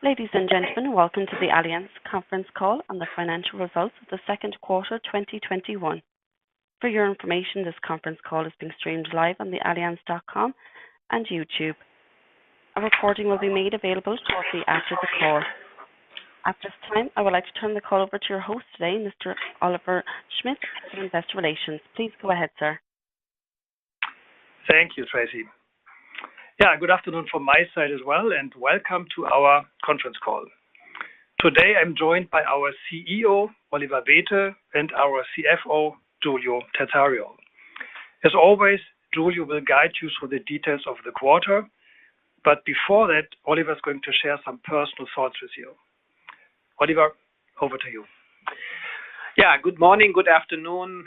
Ladies and gentlemen, welcome to the Allianz conference call on the financial results of the second quarter 2021. For your information, this conference call is being streamed live on allianz.com and YouTube. A recording will be made available shortly after the call. At this time, I would like to turn the call over to your host today, Mr. Oliver Schmidt, Investor Relations. Please go ahead, sir. Thank you, Tracy. Good afternoon from my side as well, and welcome to our conference call. Today, I am joined by our CEO, Oliver Bäte, and our CFO, Giulio Terzariol. As always, Giulio will guide you through the details of the quarter. Before that, Oliver is going to share some personal thoughts with you. Oliver, over to you. Yeah. Good morning, good afternoon,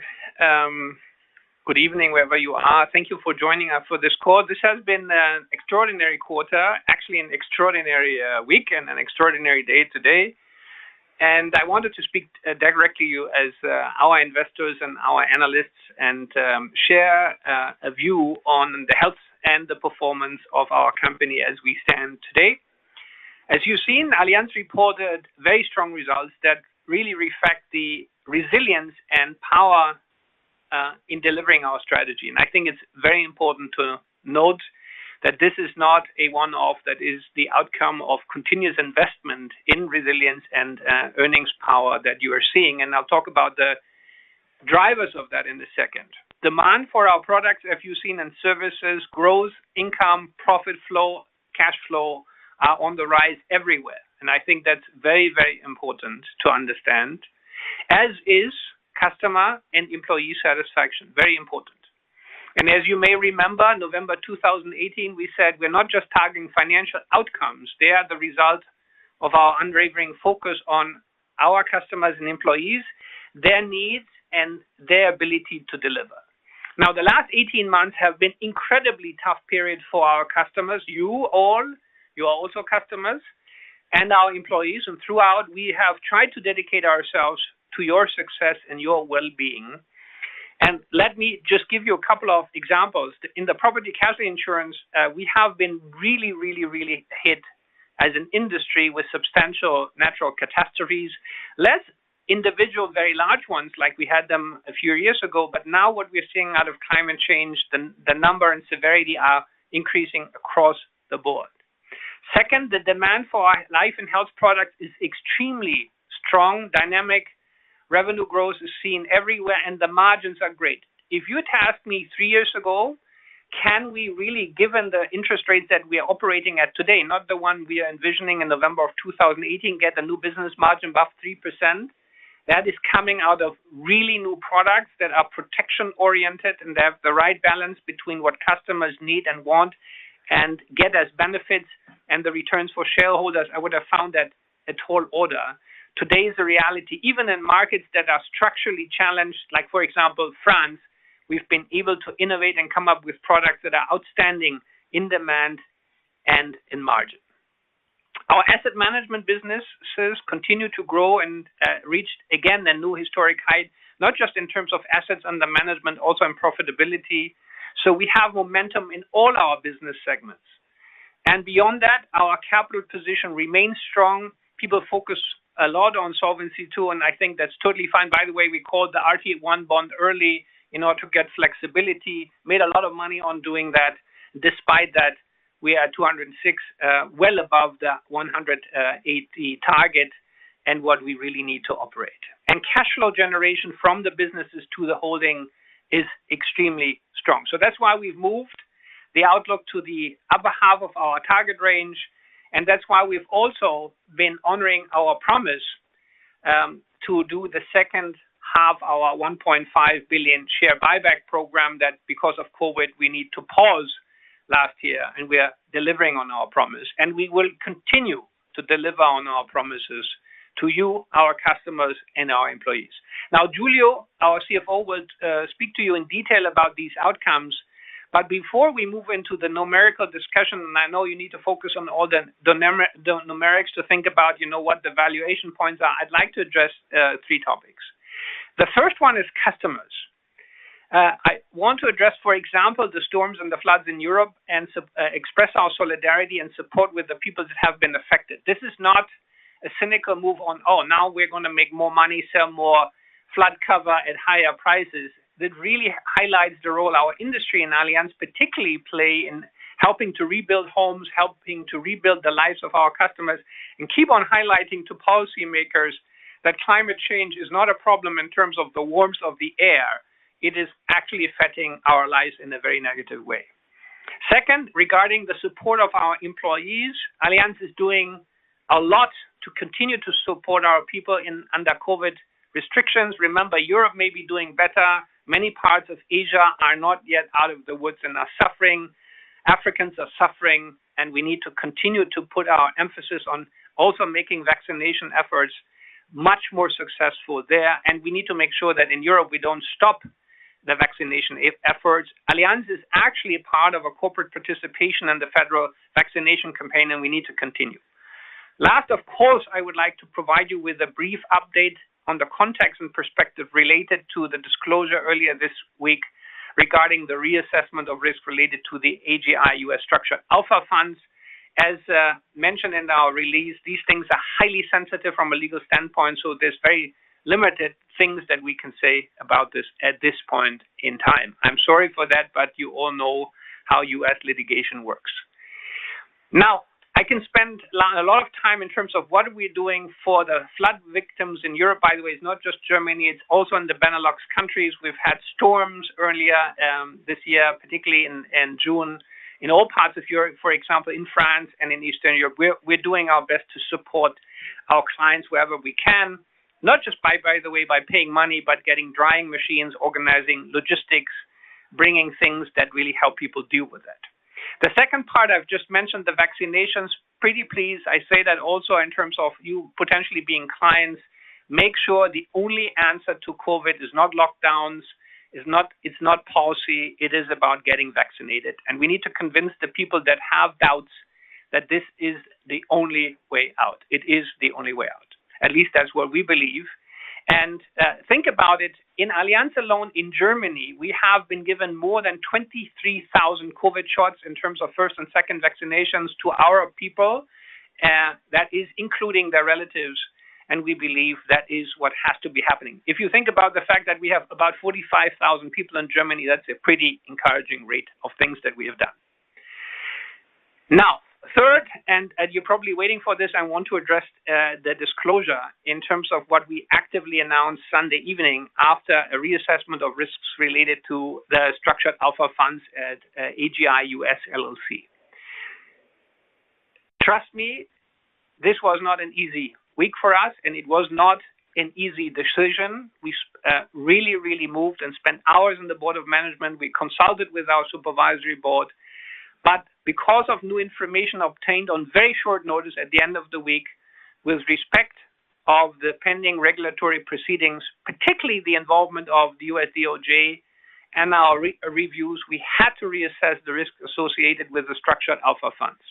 good evening, wherever you are. Thank you for joining us for this call. This has been an extraordinary quarter, actually an extraordinary week and an extraordinary day today, and I wanted to speak directly to you as our investors and our analysts and share a view on the health and the performance of our company as we stand today. As you've seen, Allianz reported very strong results that really reflect the resilience and power in delivering our strategy. I think it's very important to note that this is not a one-off, that is the outcome of continuous investment in resilience and earnings power that you are seeing, and I'll talk about the drivers of that in a second. Demand for our products, as you've seen, and services, growth, income, profit flow, cash flow, are on the rise everywhere. I think that's very, very important to understand, as is customer and employee satisfaction, very important. As you may remember, November 2018, we said we're not just targeting financial outcomes. They are the result of our unwavering focus on our customers and employees, their needs, and their ability to deliver. The last 18 months have been incredibly tough period for our customers, you all, you are also customers, and our employees. Throughout, we have tried to dedicate ourselves to your success and your well-being. Let me just give you a couple of examples. In the Property-Casualty insurance, we have been really, really, really hit as an industry with substantial natural catastrophes. Less individual, very large ones like we had them a few years ago, but now what we're seeing out of climate change, the number and severity are increasing across the board. Second, the demand for our life and health product is extremely strong, dynamic revenue growth is seen everywhere, and the margins are great. If you'd asked me three years ago, can we really, given the interest rates that we are operating at today, not the one we are envisioning in November of 2018, get a new business margin above 3%? That is coming out of really new products that are protection-oriented and they have the right balance between what customers need and want and get as benefits and the returns for shareholders, I would have found that a tall order. Today is the reality. Even in markets that are structurally challenged, like for example, France, we've been able to innovate and come up with products that are outstanding in demand and in margin. Our Asset Management businesses continue to grow and reached again a new historic height, not just in terms of assets under management, also in profitability. We have momentum in all our business segments. Beyond that, our capital position remains strong. People focus a lot on Solvency II, and I think that's totally fine. By the way, we called the RT1 bond early in order to get flexibility. Made a lot of money on doing that. Despite that, we are at 206%, well above the 180% target and what we really need to operate. Cash flow generation from the businesses to the holding is extremely strong. That's why we've moved the outlook to the upper half of our target range, and that's why we've also been honoring our promise, to do the second half our 1.5 billion share buyback program that because of COVID, we need to pause last year, and we are delivering on our promise. We will continue to deliver on our promises to you, our customers, and our employees. Now, Giulio, our CFO, will speak to you in detail about these outcomes. Before we move into the numerical discussion, and I know you need to focus on all the numerics to think about what the valuation points are, I'd like to address three topics. The first one is customers. I want to address, for example, the storms and the floods in Europe and express our solidarity and support with the people that have been affected. This is not a cynical move on, "Oh, now we're going to make more money, sell more flood cover at higher prices." That really highlights the role our industry and Allianz particularly play in helping to rebuild homes, helping to rebuild the lives of our customers, and keep on highlighting to policymakers that climate change is not a problem in terms of the warmth of the air. It is actually affecting our lives in a very negative way. Second, regarding the support of our employees, Allianz is doing a lot to continue to support our people under COVID restrictions. Remember, Europe may be doing better. Many parts of Asia are not yet out of the woods and are suffering. Africans are suffering. We need to continue to put our emphasis on also making vaccination efforts much more successful there. We need to make sure that in Europe, we don't stop the vaccination efforts. Allianz is actually a part of a corporate participation in the Federal Vaccination Campaign. We need to continue. Last, of course, I would like to provide you with a brief update on the context and perspective related to the disclosure earlier this week regarding the reassessment of risk related to the AGI U.S. Structured Alpha funds. As mentioned in our release, these things are highly sensitive from a legal standpoint, so there's very limited things that we can say about this at this point in time. I'm sorry for that. You all know how U.S. litigation works. I can spend a lot of time in terms of what are we doing for the flood victims in Europe. By the way, it's not just Germany, it's also in the Benelux countries. We've had storms earlier this year, particularly in June, in all parts of Europe, for example, in France and in Eastern Europe. We're doing our best to support our clients wherever we can, not just by the way, by paying money, but getting drying machines, organizing logistics, bringing things that really help people deal with it. The second part I've just mentioned, the vaccinations. Pretty please, I say that also in terms of you potentially being clients, make sure the only answer to COVID is not lockdowns, it's not policy, it is about getting vaccinated. We need to convince the people that have doubts that this is the only way out. It is the only way out. At least that's what we believe. Think about it. In Allianz alone in Germany, we have been given more than 23,000 COVID shots in terms of first and second vaccinations to our people. That is including their relatives, we believe that is what has to be happening. If you think about the fact that we have about 45,000 people in Germany, that's a pretty encouraging rate of things that we have done. Third, you're probably waiting for this, I want to address the disclosure in terms of what we actively announced Sunday evening after a reassessment of risks related to the Structured Alpha funds at AGI U.S. LLC. Trust me, this was not an easy week for us, and it was not an easy decision. We really, really moved and spent hours in the board of management. We consulted with our supervisory board. Because of new information obtained on very short notice at the end of the week with respect of the pending regulatory proceedings, particularly the involvement of the U.S. DOJ and our reviews, we had to reassess the risk associated with the Structured Alpha funds.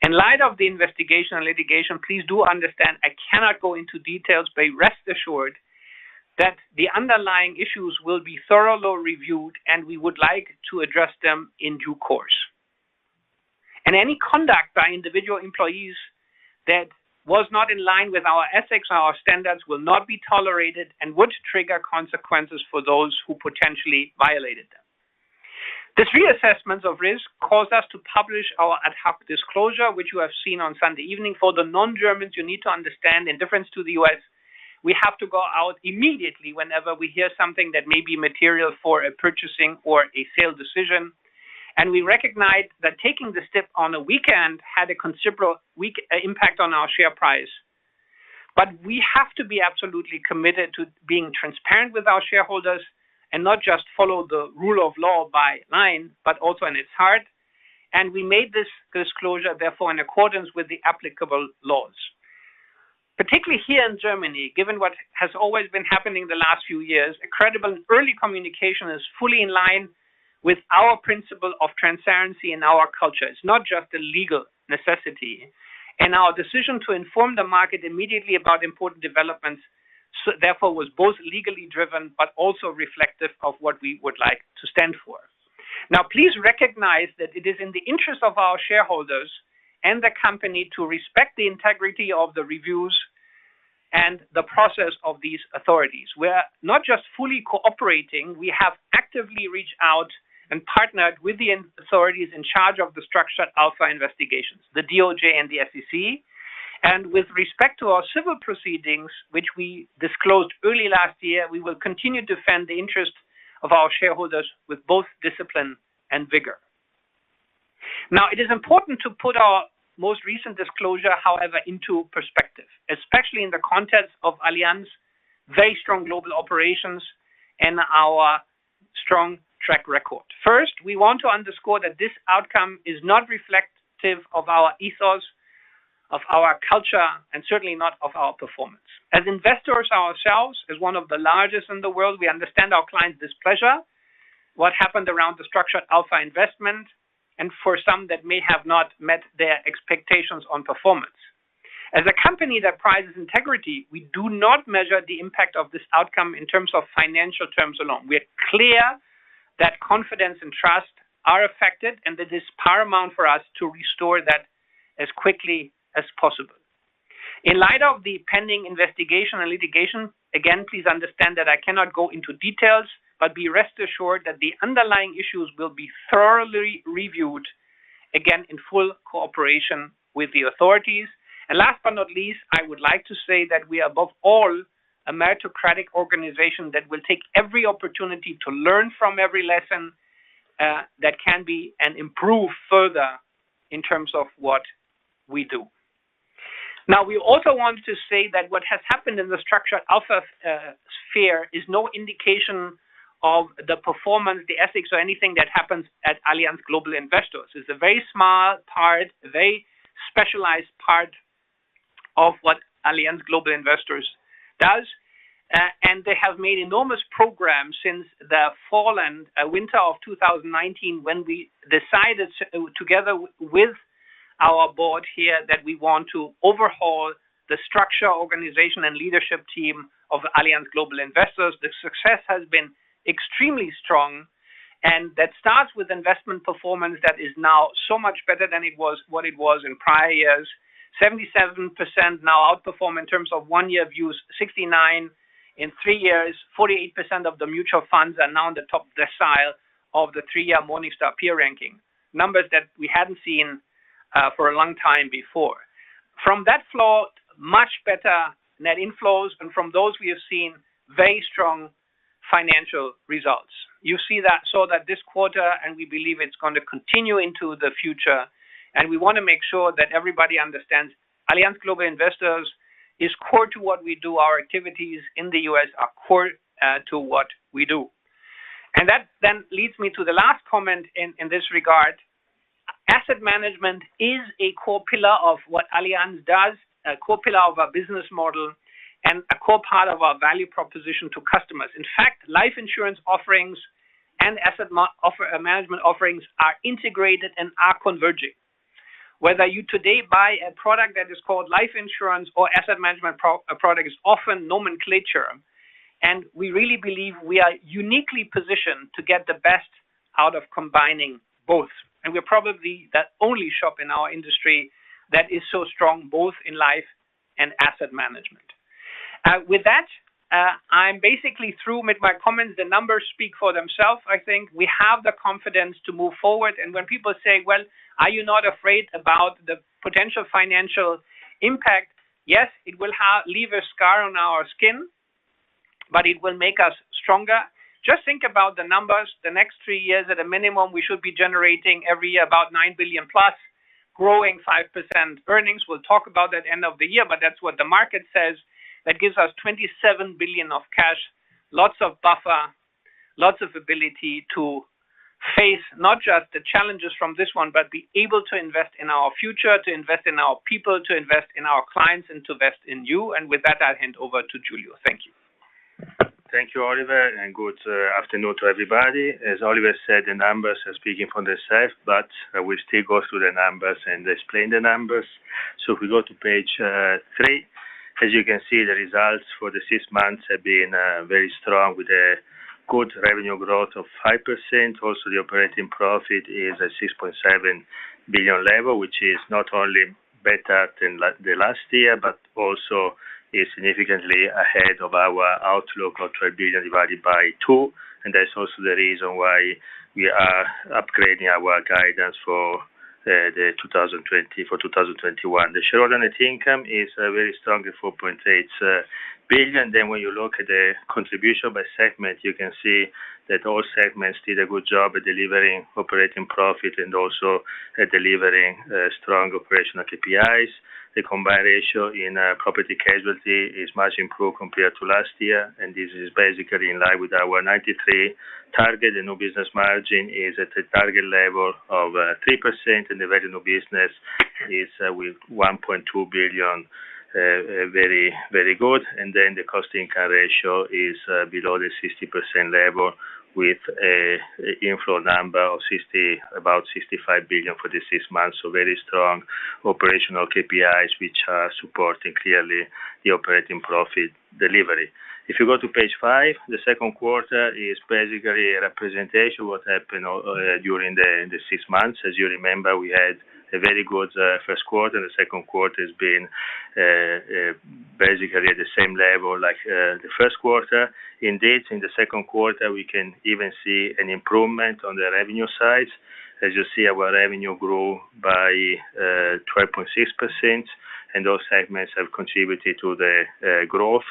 In light of the investigation and litigation, please do understand I cannot go into details, but rest assured that the underlying issues will be thoroughly reviewed, and we would like to address them in due course. Any conduct by individual employees that was not in line with our ethics or our standards will not be tolerated and would trigger consequences for those who potentially violated them. This reassessment of risk caused us to publish our ad hoc disclosure, which you have seen on Sunday evening. For the non-Germans, you need to understand in difference to the U.S., we have to go out immediately whenever we hear something that may be material for a purchasing or a sale decision. We recognize that taking the step on a weekend had a considerable impact on our share price. We have to be absolutely committed to being transparent with our shareholders and not just follow the rule of law by line, but also in its heart. We made this disclosure, therefore, in accordance with the applicable laws. Particularly here in Germany, given what has always been happening the last few years, a credible early communication is fully in line with our principle of transparency and our culture. It's not just a legal necessity. Our decision to inform the market immediately about important developments, therefore, was both legally driven but also reflective of what we would like to stand for. Please recognize that it is in the interest of our shareholders and the company to respect the integrity of the reviews and the process of these authorities. We're not just fully cooperating, we have actively reached out and partnered with the authorities in charge of the Structured Alpha investigations, the DOJ and the SEC. With respect to our civil proceedings, which we disclosed early last year, we will continue to defend the interest of our shareholders with both discipline and vigor. It is important to put our most recent disclosure, however, into perspective, especially in the context of Allianz very strong global operations and our strong track record. First, we want to underscore that this outcome is not reflective of our ethos, of our culture, and certainly not of our performance. As investors ourselves, as one of the largest in the world, we understand our clients' displeasure, what happened around the Structured Alpha investment, and for some that may have not met their expectations on performance. As a company that prizes integrity, we do not measure the impact of this outcome in terms of financial terms alone. We are clear that confidence and trust are affected, and it is paramount for us to restore that as quickly as possible. In light of the pending investigation and litigation, again, please understand that I cannot go into details, but be rest assured that the underlying issues will be thoroughly reviewed, again, in full cooperation with the authorities. Last but not least, I would like to say that we are above all, a meritocratic organization that will take every opportunity to learn from every lesson that can be and improve further in terms of what we do. We also want to say that what has happened in the Structured Alpha sphere is no indication of the performance, the ethics, or anything that happens at Allianz Global Investors. It's a very small part, very specialized part of what Allianz Global Investors does, and they have made enormous progress since the winter of 2019 when we decided together with our Board here that we want to overhaul the structure, organization, and leadership team of Allianz Global Investors. The success has been extremely strong, and that starts with investment performance that is now so much better than what it was in prior years. 77% now outperform in terms of one-year views, 69% in three years. Forty-eight percent of the mutual funds are now in the top decile of the three-year Morningstar peer ranking. Numbers that we hadn't seen for a long time before. From that flow, much better net inflows, from those we have seen very strong financial results. You saw that this quarter, we believe it's going to continue into the future, we want to make sure that everybody understands Allianz Global Investors is core to what we do. Our activities in the U.S. are core to what we do. That then leads me to the last comment in this regard. Asset management is a core pillar of what Allianz does, a core pillar of our business model, a core part of our value proposition to customers. In fact, life insurance offerings and asset management offerings are integrated and are converging. Whether you today buy a product that is called life insurance or asset management product is often nomenclature, and we really believe we are uniquely positioned to get the best out of combining both, and we are probably that only shop in our industry that is so strong both in Life and Asset Management. With that, I'm basically through with my comments. The numbers speak for themselves, I think. We have the confidence to move forward, and when people say, "Well, are you not afraid about the potential financial impact?" Yes, it will leave a scar on our skin, but it will make us stronger. Just think about the numbers. The next three years at a minimum, we should be generating every year about 9+ billion, growing 5% earnings. We'll talk about that end of the year. That's what the market says. That gives us 27 billion of cash, lots of buffer, lots of ability to face not just the challenges from this one, but be able to invest in our future, to invest in our people, to invest in our clients and to invest in you. With that, I'll hand over to Giulio. Thank you. Thank you, Oliver, and good afternoon to everybody. As Oliver said, the numbers are speaking for themselves, but we'll still go through the numbers and explain the numbers. If we go to page three, as you can see, the results for the six months have been very strong with a good revenue growth of 5%. Also, the operating profit is at 6.7 billion level, which is not only better than the last year, but also is significantly ahead of our outlook of 12 billion divided by two. That's also the reason why we are upgrading our guidance for 2021. The shareholder net income is very strong at 4.8 billion. When you look at the contribution by segment, you can see that all segments did a good job at delivering operating profit and also at delivering strong operational KPIs. The combined ratio in Property-Casualty is much improved compared to last year. This is basically in line with our 93% target. Our new business margin is at a target level of 3%. The new business is with 1.2 billion, very good. The cost income ratio is below the 60% level with an inflow number of about 65 billion for the six months. Very strong operational KPIs, which are supporting clearly the operating profit delivery. If you go to page five, the second quarter is basically a representation of what happened during the six months. As you remember, we had a very good first quarter. The second quarter has been basically the same level like the first quarter. Indeed, in the second quarter, we can even see an improvement on the revenue side. As you see, our revenue grew by 12.6%. Those segments have contributed to the growth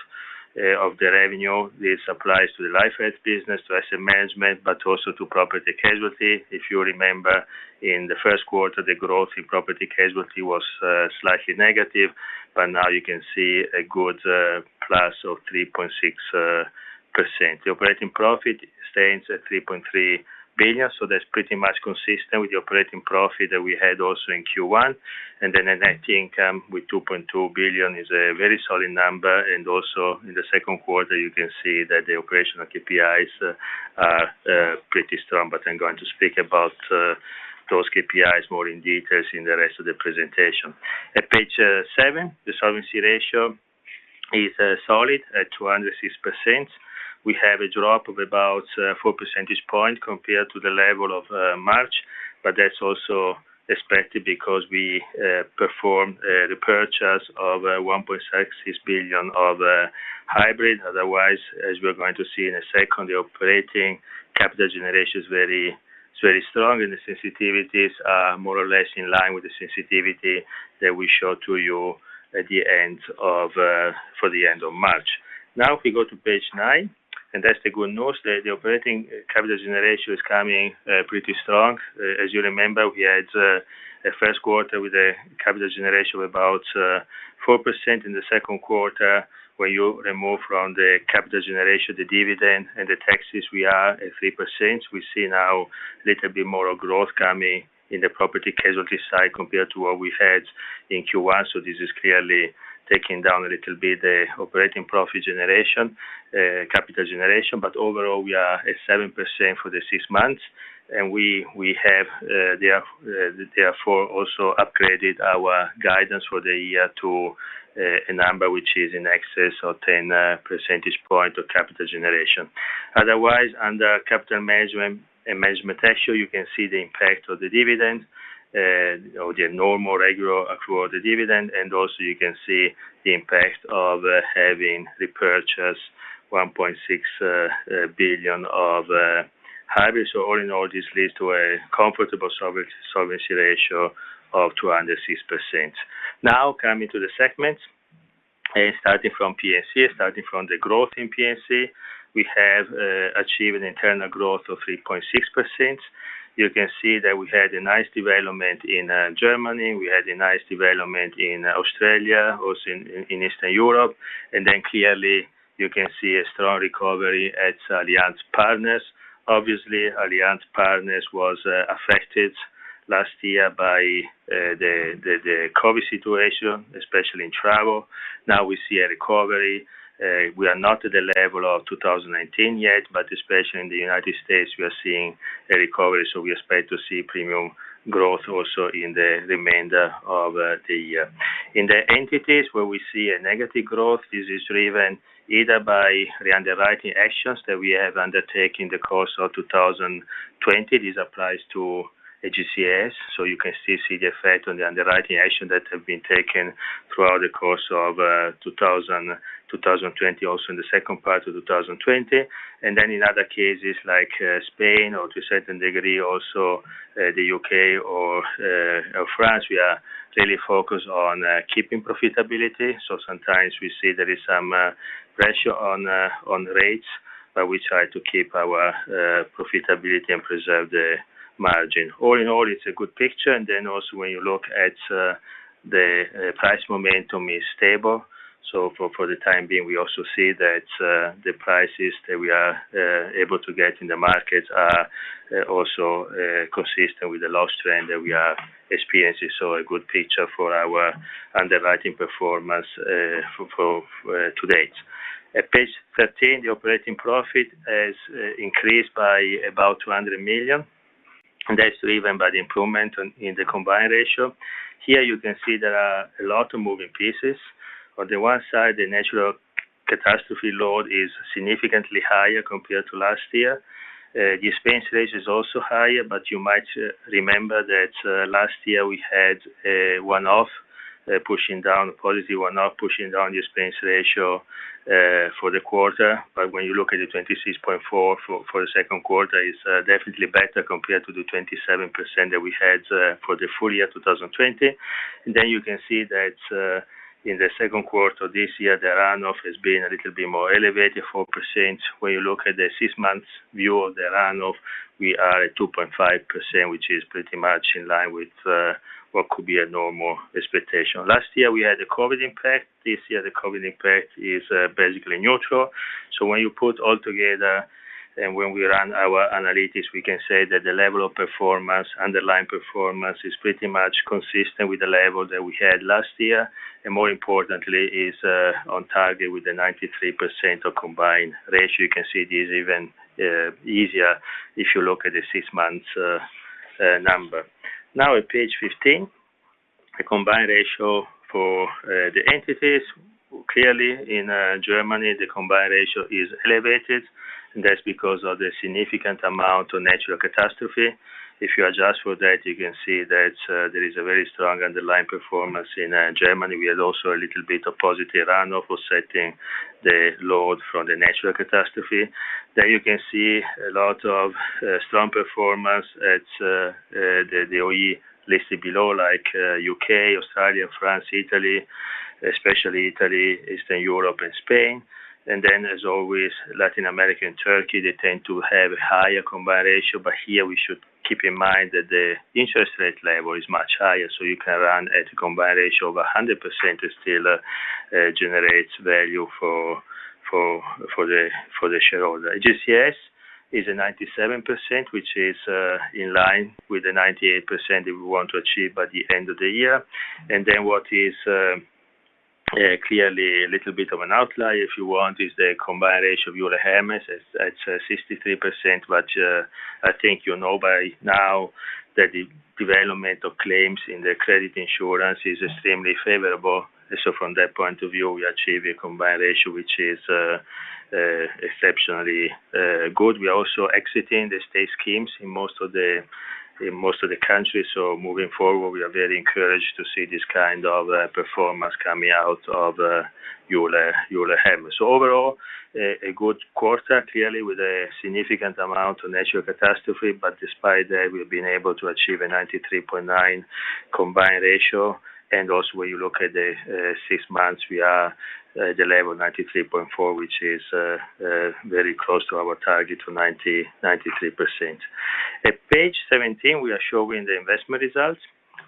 of the revenue. This applies to the Life/Health business, to Asset Management, also to Property-Casualty. If you remember, in the first quarter, the growth Property-Casualty was slightly negative. Now you can see a good plus of 3.6%. The operating profit stands at 3.3 billion. That's pretty much consistent with the operating profit that we had also in Q1. The net income with 2.2 billion is a very solid number. Also in the second quarter, you can see that the operational KPIs are pretty strong. I'm going to speak about those KPIs more in details in the rest of the presentation. At page seven, the solvency ratio is solid at 206%. We have a drop of about 4 percentage points compared to the level of March. That's also expected because we performed the purchase of 1.66 billion of hybrid. As we are going to see in a second, the operating capital generation is very strong, and the sensitivities are more or less in line with the sensitivity that we showed to you for the end of March. If we go to page nine, that's the good news. The operating capital generation is coming pretty strong. As you remember, we had a first quarter with a capital generation of about 4% in the second quarter. When you remove from the capital generation, the dividend, and the taxes, we are at 3%. We see now little bit more of growth coming in Property-Casualty side compared to what we had in Q1. This is clearly taking down a little bit the operating profit generation, capital generation. Overall, we are at 7% for the six months, and we have, therefore, also upgraded our guidance for the year to a number which is in excess of 10 percentage points of capital generation. Otherwise, under capital management and management actions, you can see the impact of the dividend, or the normal, regular quarter dividend. Also, you can see the impact of having repurchased 1.6 billion of hybrids. All in all, this leads to a comfortable solvency ratio of 206%. Coming to the segments, starting from P/C, starting from the growth in P/C. We have achieved an internal growth of 3.6%. You can see that we had a nice development in Germany. We had a nice development in Australia, also in Eastern Europe. Clearly, you can see a strong recovery at Allianz Partners. Obviously, Allianz Partners was affected last year by the COVID situation, especially in travel. Now we see a recovery. We are not at the level of 2019 yet, but especially in the U.S., we are seeing a recovery. We expect to see premium growth also in the remainder of the year. In the entities where we see a negative growth, this is driven either by the underwriting actions that we have undertaken the course of 2020. This applies to AGCS. You can still see the effect on the underwriting action that have been taken throughout the course of 2020, also in the second part of 2020. In other cases, like Spain or to a certain degree also the U.K. or France, we are clearly focused on keeping profitability. Sometimes we see there is some pressure on rates, but we try to keep our profitability and preserve the margin. All in all, it's a good picture. When you look at the price momentum is stable. For the time being, we also see that the prices that we are able to get in the market are also consistent with the loss trend that we have experienced. A good picture for our underwriting performance to date. At page 13, the operating profit has increased by about 200 million, and that's driven by the improvement in the combined ratio. Here you can see there are a lot of moving pieces. On the one side, the natural catastrophe load is significantly higher compared to last year. The expense ratio is also higher, but you might remember that last year we had a one-off pushing down, a policy one-off pushing down the expense ratio for the quarter. When you look at the 26.4% for the second quarter, it's definitely better compared to the 27% that we had for the full year 2020. You can see that in the second quarter this year, the run-off has been a little bit more elevated, 4%. When you look at the six months view of the run-off, we are at 2.5%, which is pretty much in line with what could be a normal expectation. Last year we had a COVID impact. This year, the COVID impact is basically neutral. When you put it all together and when we run our analytics, we can say that the level of performance, underlying performance, is pretty much consistent with the level that we had last year, and more importantly, is on target with the 93% of combined ratio. You can see it is even easier if you look at the six months number. At page 15, the combined ratio for the entities. In Germany, the combined ratio is elevated, and that's because of the significant amount of natural catastrophe. If you adjust for that, you can see that there is a very strong underlying performance in Germany. We had also a little bit of positive run-off offsetting the load from the natural catastrophe. You can see a lot of strong performance at the OE listed below, like U.K., Australia, France, Italy, especially Italy, Eastern Europe, and Spain. As always, Latin America and Turkey, they tend to have a higher combined ratio. Here we should keep in mind that the interest rate level is much higher. You can run at a combined ratio of 100%, it still generates value for the shareholder. AGCS is at 97%, which is in line with the 98% that we want to achieve by the end of the year. What is clearly a little bit of an outlier, if you want, is the combined ratio of Euler Hermes at 63%, but I think you know by now that the development of claims in the credit insurance is extremely favorable. From that point of view, we achieve a combined ratio which is exceptionally good. We are also exiting the state schemes in most of the countries. Moving forward, we are very encouraged to see this kind of performance coming out of Euler Hermes. Overall, a good quarter, clearly with a significant amount of natural catastrophe, but despite that, we've been able to achieve a 93.9% combined ratio. Also, when you look at the six months, we are at the level of 93.4%, which is very close to our target of 93%. At page 17, we are showing the investment results,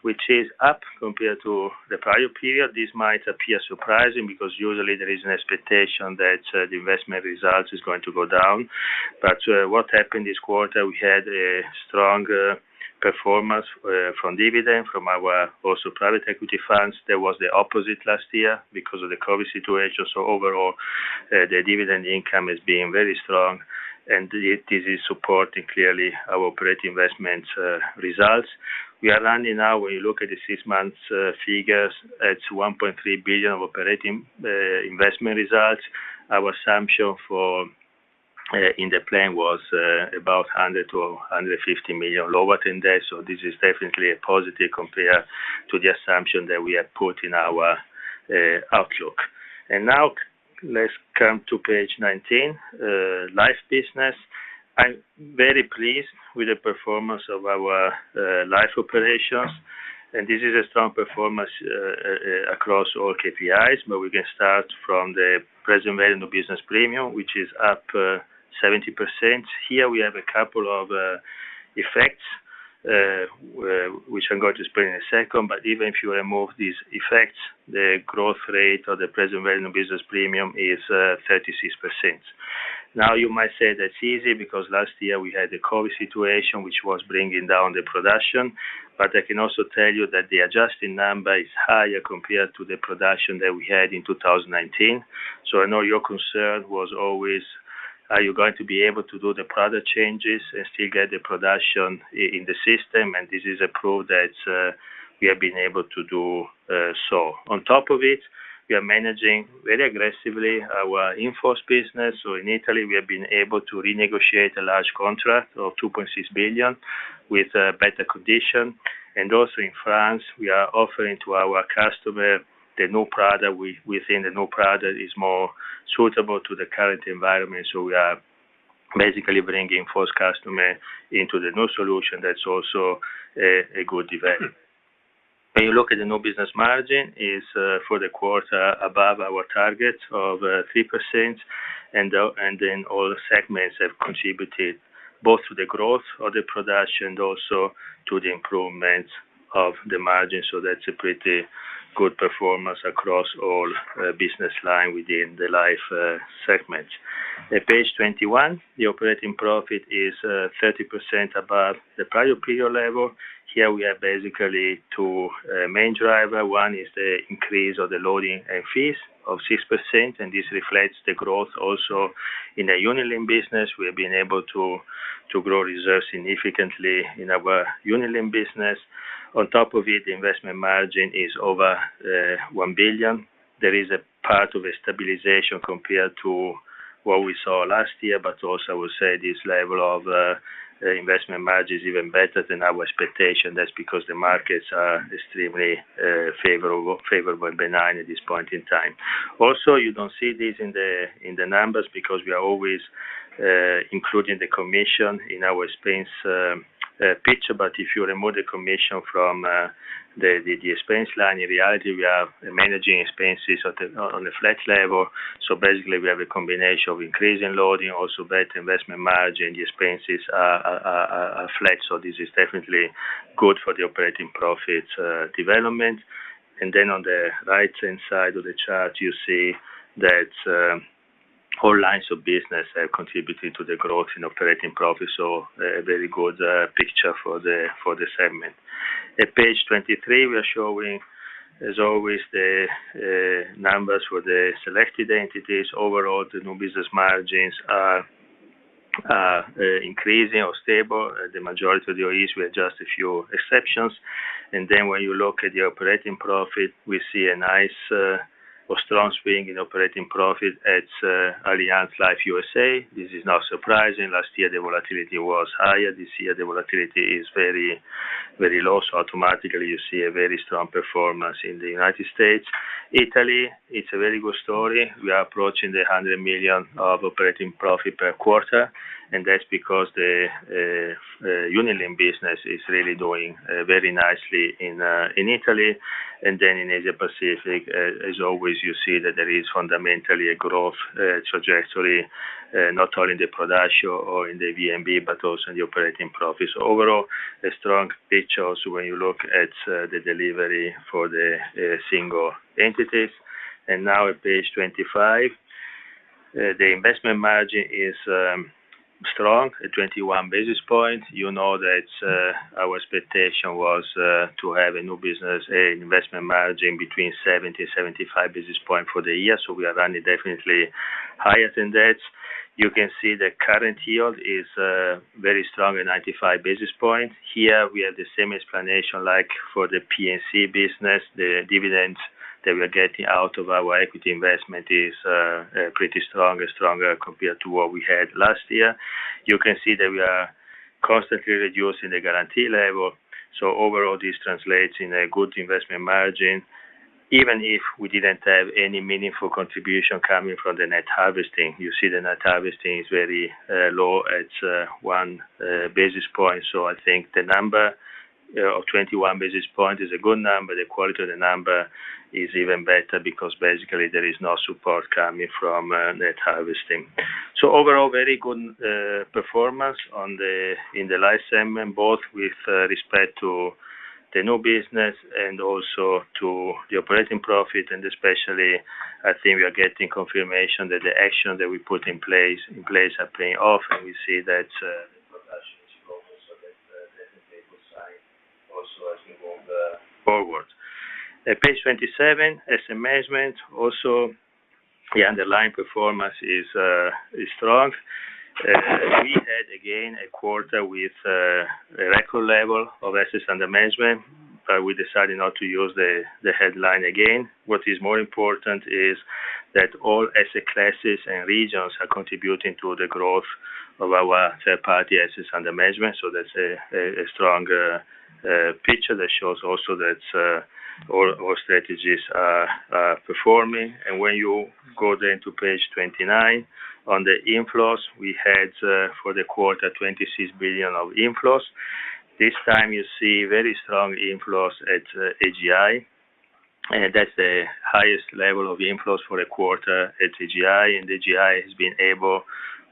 which is up compared to the prior period. This might appear surprising because usually there is an expectation that the investment results is going to go down. What happened this quarter, we had a strong performance from dividend, from our also private equity funds. That was the opposite last year because of the COVID situation. Overall, the dividend income is being very strong, and this is supporting, clearly, our operating investment results. We are running now, when you look at the six months figures, it's 1.3 billion of operating investment results. Our assumption in the plan was about 100 million-150 million lower than that, so this is definitely a positive compared to the assumption that we had put in our outlook. Now let's come to page 19, Life business. I'm very pleased with the performance of our Life operations, and this is a strong performance across all KPIs. We can start from the present value of new business premiums, which is up 70%. Here, we have a couple of effects, which I'm going to explain in a second. Even if you remove these effects, the growth rate of the present value of new business premiums is 36%. Now, you might say that's easy because last year we had the COVID situation, which was bringing down the production. I can also tell you that the adjusting number is higher compared to the production that we had in 2019. I know your concern was always, are you going to be able to do the product changes and still get the production in the system? This is a proof that we have been able to do so. On top of it, we are managing, very aggressively, our in-force business. In Italy, we have been able to renegotiate a large contract of 2.6 billion with better condition. Also in France, we are offering to our customer the new product. Within the new product is more suitable to the current environment. We are basically bringing in-force customer into the new solution. That's also a good event. When you look at the new business margin, is for the quarter above our target of 3%. All segments have contributed both to the growth of the production and also to the improvement of the margin. That's a pretty good performance across all business line within the Life segment. At page 21, the operating profit is 30% above the prior-period level. Here, we have basically two main driver. One is the increase of the loading and fees of 6%, and this reflects the growth also in the unit-linked business. We have been able to grow reserves significantly in our unit-linked business. On top of it, the investment margin is over 1 billion. There is a part of a stabilization compared to what we saw last year. Also, I would say this level of investment margin is even better than our expectation. That's because the markets are extremely favorable and benign at this point in time. You don't see this in the numbers because we are always including the commission in our expense picture. If you remove the commission from the expense line, in reality, we are managing expenses on a flat level. Basically, we have a combination of increase in loading, also better investment margin. The expenses are flat. This is definitely good for the operating profit development. On the right-hand side of the chart, you see that all lines of business are contributing to the growth in operating profit. A very good picture for the segment. At page 23, we are showing, as always, the numbers for the selected entities. Overall, the new business margins are increasing or stable. The majority of the OEs, with just a few exceptions. When you look at the operating profit, we see a nice or strong swing in operating profit at Allianz Life U.S.A. This is not surprising. Last year, the volatility was higher. This year, the volatility is very low, so automatically you see a very strong performance in the United States. Italy, it's a very good story. We are approaching the 100 million of operating profit per quarter, and that's because the unit-linked business is really doing very nicely in Italy. In Asia-Pacific, as always, you see that there is fundamentally a growth trajectory, not only in the production or in the VNB, but also in the operating profit. Overall, a strong picture also when you look at the delivery for the single entities. Now at page 25, the investment margin is strong at 21 basis points. You know that our expectation was to have a new business investment margin between 70, 75 basis points for the year. We are running definitely higher than that. You can see the current yield is very strong at 95 basis points. Here, we have the same explanation, like for the P/C business. The dividends that we are getting out of our equity investment is pretty strong, stronger compared to what we had last year. You can see that we are constantly reducing the guarantee level. Overall, this translates in a good investment margin, even if we didn't have any meaningful contribution coming from the net harvesting. You see the net harvesting is very low at 1 basis point. I think the number of 21 basis points is a good number. The quality of the number is even better because basically there is no support coming from net harvesting. Overall, very good performance in the Life segment, both with respect to the new business and also to the operating profit, and especially, I think we are getting confirmation that the action that we put in place are paying off, and we see that also as we move forward. Page 27, Asset Management. Also, the underlying performance is strong. We had, again, a quarter with a record level of assets under management. We decided not to use the headline again. What is more important is that all asset classes and regions are contributing to the growth of our third-party assets under management. That's a strong picture that shows also that all strategies are performing. When you go to page 29, on the inflows, we had for the quarter, 26 billion of inflows. This time you see very strong inflows at AGI, and that's the highest level of inflows for a quarter at AGI. AGI has been able,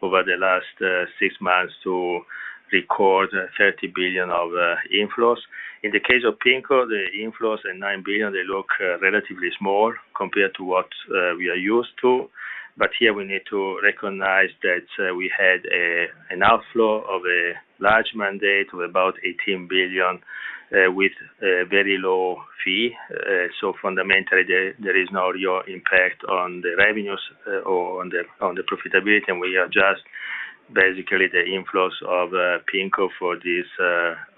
over the last six months, to record 30 billion of inflows. In the case of PIMCO, the inflows are 9 billion. They look relatively small compared to what we are used to. Here we need to recognize that we had an outflow of a large mandate of about 18 billion, with a very low fee. Fundamentally, there is no real impact on the revenues or on the profitability, and we adjust basically the inflows of PIMCO for these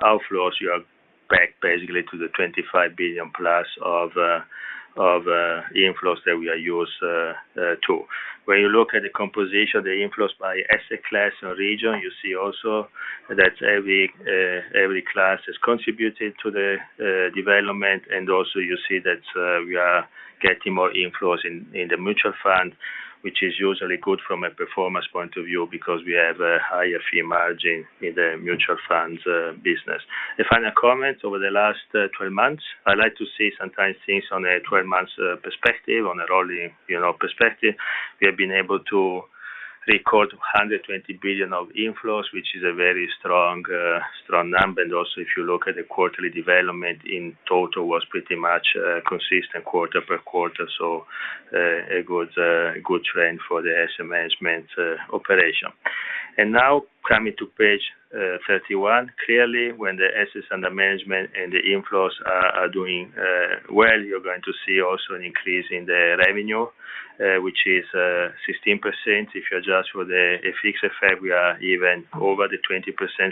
outflows. You are back basically to the 25+ billion of inflows that we are used to. When you look at the composition, the inflows by asset class and region, you see also that every class has contributed to the development, and also you see that we are getting more inflows in the mutual fund, which is usually good from a performance point of view because we have a higher fee margin in the mutual funds business. The final comment, over the last 12 months, I like to see sometimes things on a 12-months perspective, on a rolling perspective. We have been able to record 120 billion of inflows, which is a very strong number. Also, if you look at the quarterly development in total was pretty much consistent quarter per quarter. A good trend for the Asset Management operation. Now, coming to page 31. Clearly, when the assets under management and the inflows are doing well, you're going to see also an increase in the revenue, which is 16%. If you adjust for the FX effect, we are even over the 20%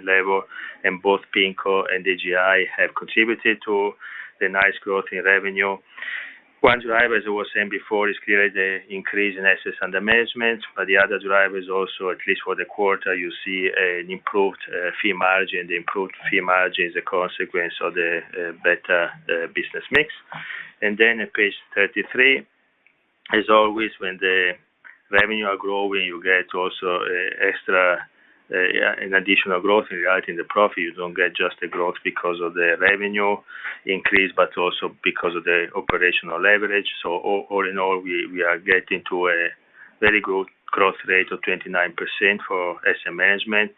level, and both PIMCO and AGI have contributed to the nice growth in revenue. One driver, as I was saying before, is clearly the increase in assets under management, but the other driver is also, at least for the quarter, you see an improved fee margin. The improved fee margin is a consequence of the better business mix. Then at page 33, as always, when the revenue are growing, you get also extra, an additional growth regarding the profit. You don't get just the growth because of the revenue increase, but also because of the operational leverage. All in all, we are getting to a very good growth rate of 29% for Asset Management.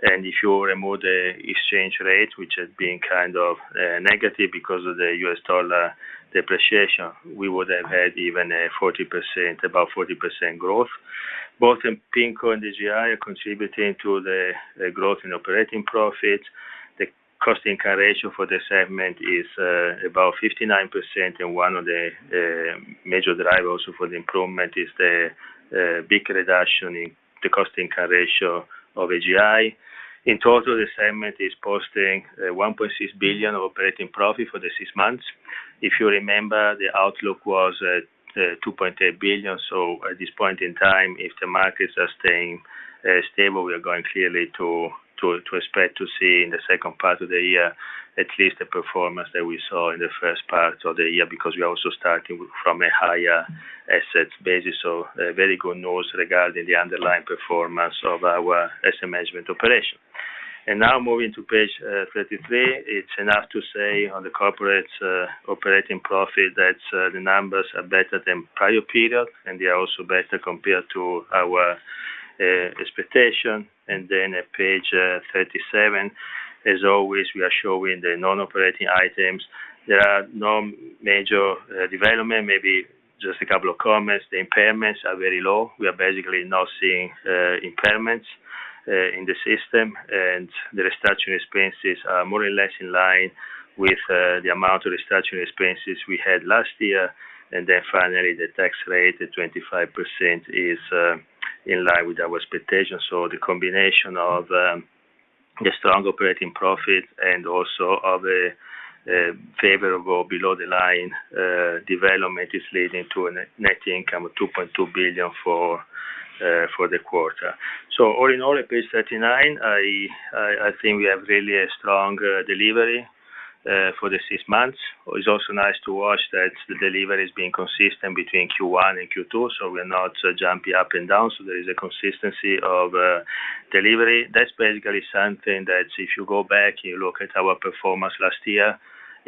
If you remove the exchange rate, which has been kind of negative because of the U.S. dollar depreciation, we would have had even about 40% growth. Both in PIMCO and AGI are contributing to the growth in operating profit. The cost-income ratio for the segment is about 59%, and one of the major drivers for the improvement is the big reduction in the cost-income ratio of AGI. In total, the segment is posting 1.6 billion of operating profit for the six months. If you remember, the outlook was at 2.8 billion. At this point in time, if the markets are staying stable, we are going clearly to expect to see in the second part of the year at least the performance that we saw in the first part of the year, because we are also starting from a higher asset base. Very good notes regarding the underlying performance of our asset management operation. Now moving to page 33, it's enough to say on the corporate operating profit that the numbers are better than prior period, and they are also better compared to our expectation. At page 37, as always, we are showing the non-operating items. There are no major development. Maybe just a couple of comments. The impairments are very low. We are basically not seeing impairments in the system. The restructuring expenses are more or less in line with the amount of restructuring expenses we had last year. Finally, the tax rate at 25% is in line with our expectations. The combination of the strong operating profit and also of a favorable below-the-line development is leading to a net income of 2.2 billion for the quarter. All in all, at page 39, I think we have really a strong delivery for the six months. It's also nice to watch that the delivery is being consistent between Q1 and Q2, so we are not jumping up and down. There is a consistency of delivery. That's basically something that if you go back and you look at our performance last year,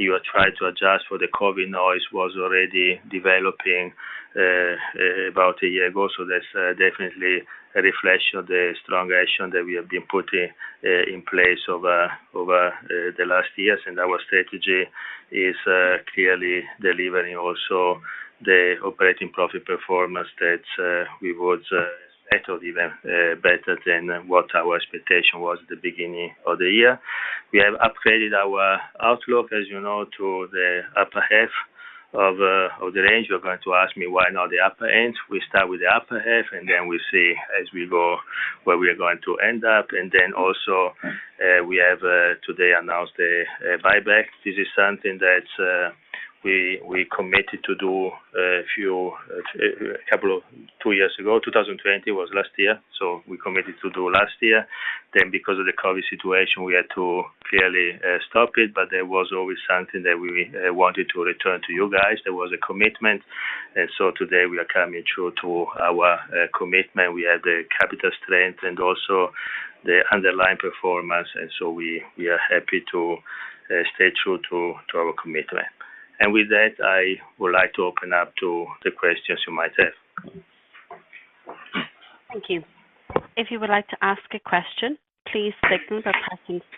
you are trying to adjust for the COVID noise, was already developing about a year ago. That's definitely a reflection of the strong action that we have been putting in place over the last years. Our strategy is clearly delivering also the operating profit performance that was even better than what our expectation was at the beginning of the year. We have upgraded our outlook, as you know, to the upper half of the range. You're going to ask me why not the upper end. We start with the upper half, and then we see as we go where we are going to end up. Also, we have today announced a buyback. This is something that we committed to do two years ago. 2020 was last year, so we committed to do last year. Because of the COVID situation, we had to clearly stop it, but there was always something that we wanted to return to you guys. There was a commitment. Today we are coming true to our commitment. We have the capital strength and also the underlying performance. We are happy to stay true to our commitment. With that, I would like to open up to the questions you might have. Thank you. If you would like to ask a question, please press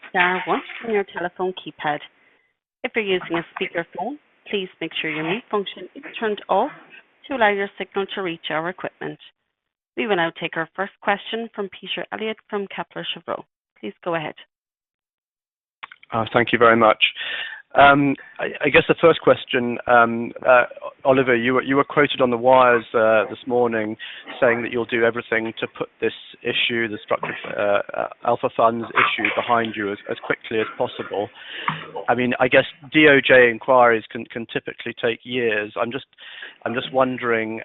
star one on your telephone keypad. If you're using a speakerphone, please make sure your mute function is turned off to allow your signal to reach our equipment. We will now take our first question from Peter Eliot from Kepler Cheuvreux. Please go ahead. Thank you very much. The first question, Oliver, you were quoted on the wires this morning saying that you'll do everything to put this issue, the Structured Alpha funds issue behind you as quickly as possible. DOJ inquiries can typically take years. I'm just wondering,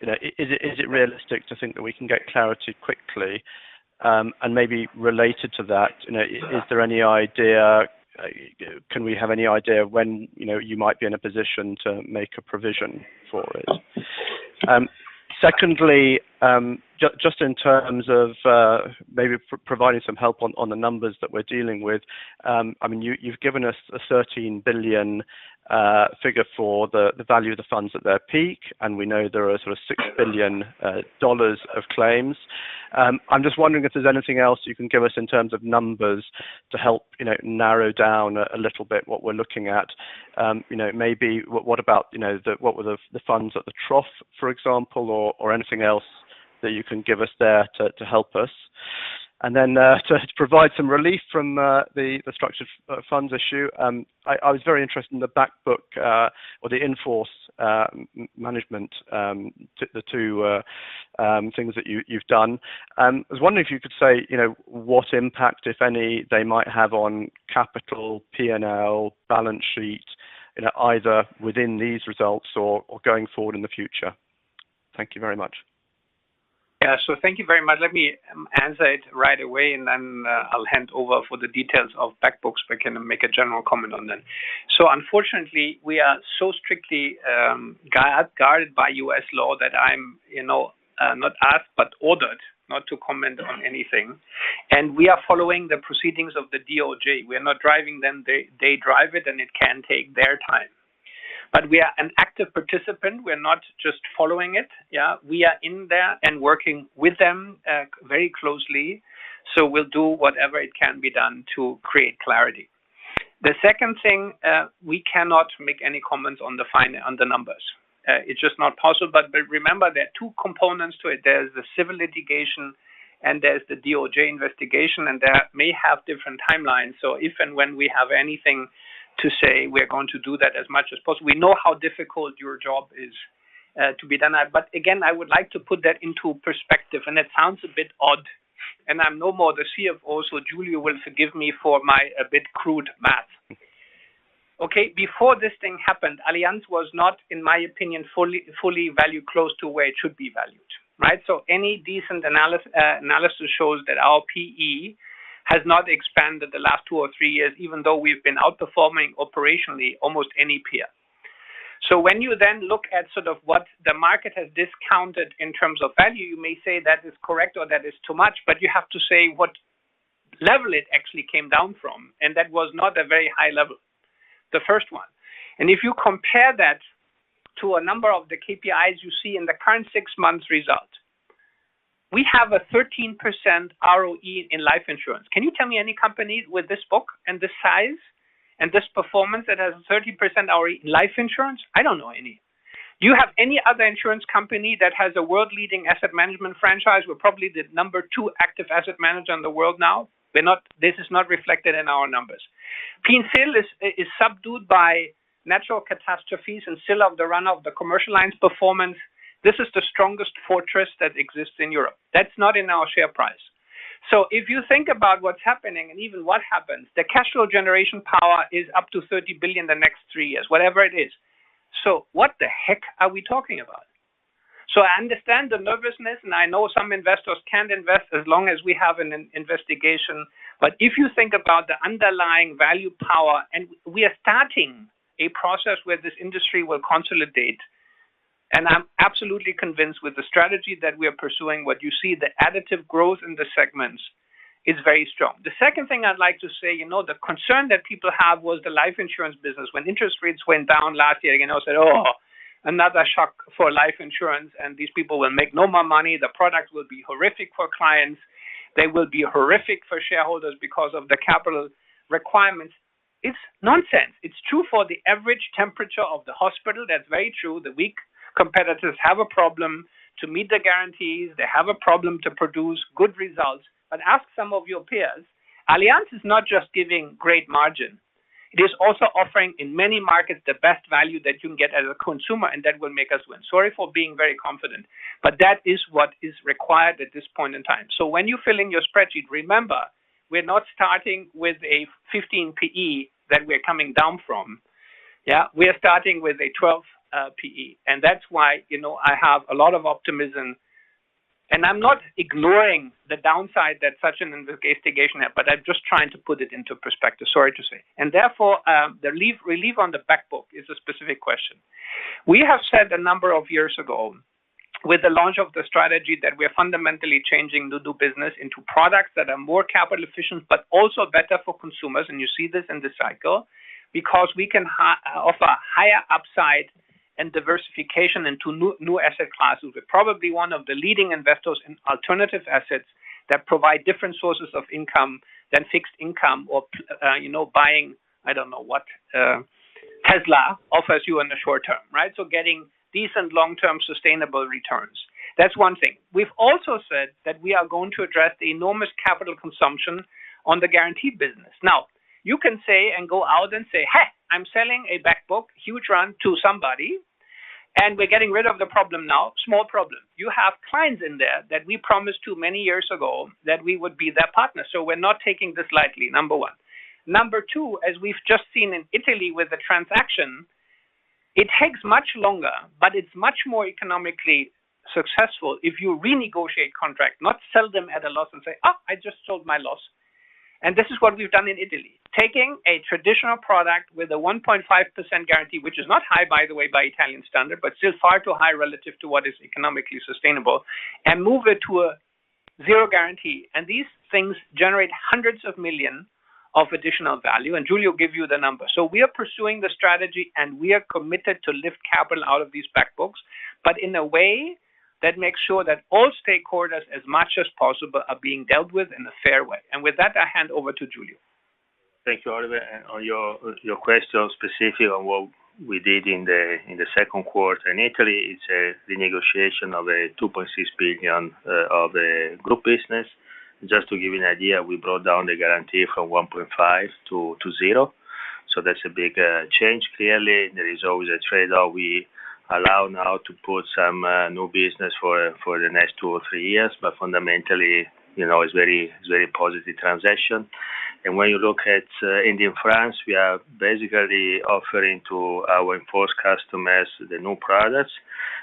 is it realistic to think that we can get clarity quickly? Maybe related to that, can we have any idea when you might be in a position to make a provision for it? Secondly, just in terms of maybe providing some help on the numbers that we're dealing with. You've given us a 13 billion figure for the value of the funds at their peak, and we know there are sort of $6 billion of claims. I'm just wondering if there's anything else you can give us in terms of numbers to help narrow down a little bit what we're looking at. Maybe what were the funds at the trough, for example, or anything else that you can give us there to help us? To provide some relief from the structured funds issue, I was very interested in the back book or the in-force management, the two things that you've done. I was wondering if you could say what impact, if any, they might have on capital P&L balance sheet, either within these results or going forward in the future. Thank you very much. Thank you very much. Let me answer it right away, and then I'll hand over for the details of back books. Can I make a general comment on them? Unfortunately, we are so strictly guarded by U.S. law that I'm not asked, but ordered not to comment on anything. We are following the proceedings of the DOJ. We are not driving them. They drive it. It can take their time. We are an active participant. We're not just following it. We are in there and working with them very closely. We'll do whatever it can be done to create clarity. The second thing, we cannot make any comments on the numbers. It's just not possible. Remember, there are two components to it. There's the civil litigation and there's the DOJ investigation. That may have different timelines. If and when we have anything to say, we're going to do that as much as possible. We know how difficult your job is to be done. Again, I would like to put that into perspective, it sounds a bit odd, I'm no more the CFO, Giulio will forgive me for my a bit crude math. Okay. Before this thing happened, Allianz was not, in my opinion, fully valued close to where it should be valued. Right? Any decent analysis shows that our PE has not expanded the last two or three years, even though we've been outperforming operationally almost any peer. When you then look at sort of what the market has discounted in terms of value, you may say that is correct or that is too much, but you have to say what level it actually came down from, and that was not a very high level. The first one. If you compare that to a number of the KPIs you see in the current six months result. We have a 13% ROE in life insurance. Can you tell me any company with this book and this size and this performance that has a 13% ROE in life insurance? I don't know any. Do you have any other insurance company that has a world-leading asset management franchise? We're probably the number 2 active asset manager in the world now. This is not reflected in our numbers. P/C is subdued by natural catastrophes and still have the run-off of the commercial lines' performance. This is the strongest fortress that exists in Europe. That's not in our share price. If you think about what's happening and even what happens, the cash flow generation power is up to 30 billion the next three years, whatever it is. What the heck are we talking about? I understand the nervousness, and I know some investors can't invest as long as we have an investigation. If you think about the underlying value power, and we are starting a process where this industry will consolidate. I'm absolutely convinced with the strategy that we are pursuing, what you see, the additive growth in the segments is very strong. The second thing I'd like to say, the concern that people have was the life insurance business. Interest rates went down last year, again, they said, "Oh, another shock for life insurance, and these people will make no more money. The product will be horrific for clients. They will be horrific for shareholders because of the capital requirements." It's nonsense. It's true for the average temperature of the hospital, that's very true. The weak competitors have a problem to meet the guarantees. They have a problem to produce good results. Ask some of your peers, Allianz is not just giving great margin. It is also offering, in many markets, the best value that you can get as a consumer, and that will make us win. Sorry for being very confident, that is what is required at this point in time. When you fill in your spreadsheet, remember, we're not starting with a 15 PE that we are coming down from. Yeah? We are starting with a 12 PE. That's why I have a lot of optimism. I'm not ignoring the downside that such an investigation has, but I'm just trying to put it into perspective. Sorry to say. Therefore, the relief on the back book is a specific question. We have said a number of years ago, with the launch of the strategy, that we are fundamentally changing the new business into products that are more capital efficient, but also better for consumers, and you see this in this cycle. We can offer higher upside and diversification into new asset classes. We're probably one of the leading investors in alternative assets that provide different sources of income than fixed income or buying, I don't know what, Tesla offers you in the short term, right? Getting decent long-term sustainable returns. That's one thing. We've also said that we are going to address the enormous capital consumption on the guaranteed business. You can say and go out and say, "Hey, I'm selling a back book, huge run, to somebody, and we're getting rid of the problem now." Small problem. You have clients in there that we promised to many years ago that we would be their partner. We're not taking this lightly, number one. Number two, as we've just seen in Italy with the transaction, it takes much longer, but it's much more economically successful if you renegotiate contract, not sell them at a loss and say, "I just sold my loss." This is what we've done in Italy, taking a traditional product with a 1.5% guarantee, which is not high, by the way, by Italian standard, but still far too high relative to what is economically sustainable, and move it to a 0 guarantee. These things generate hundreds of millions of additional value, and Giulio will give you the number. We are pursuing the strategy, and we are committed to lift capital out of these back books, but in a way that makes sure that all stakeholders, as much as possible, are being dealt with in a fair way. With that, I hand over to Giulio. Thank you, Oliver. On your question specifically on what we did in the second quarter in Italy, it is a renegotiation of a 2.6 billion of group business. Just to give you an idea, we brought down the guarantee from 1.5% to 0%, that is a big change. There is always a trade-off. We allow now to put some new business for the next two or three years, fundamentally, it is a very positive transaction. When you look at in France, we are basically offering to our in-force customers the new products.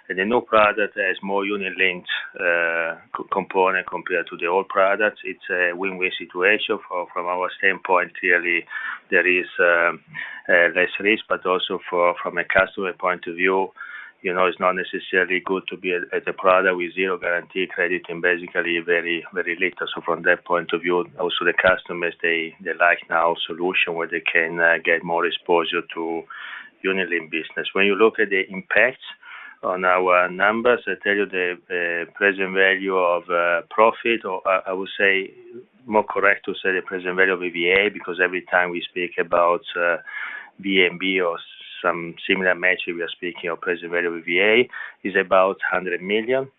The new product has more unit-linked component compared to the old product. It is a win-win situation. From our standpoint, clearly, there is less risk, also from a customer point of view, it is not necessarily good to be at a product with 0 guarantee credit and basically very little. From that point of view, also, the customers, they like now a solution where they can get more exposure to unit-linked business. When you look at the impact on our numbers, I tell you the present value of profit, or I would say more correct to say the present value of EVA, because every time we speak about VNB or some similar measure, we are speaking of present value of EVA, is about 100 million.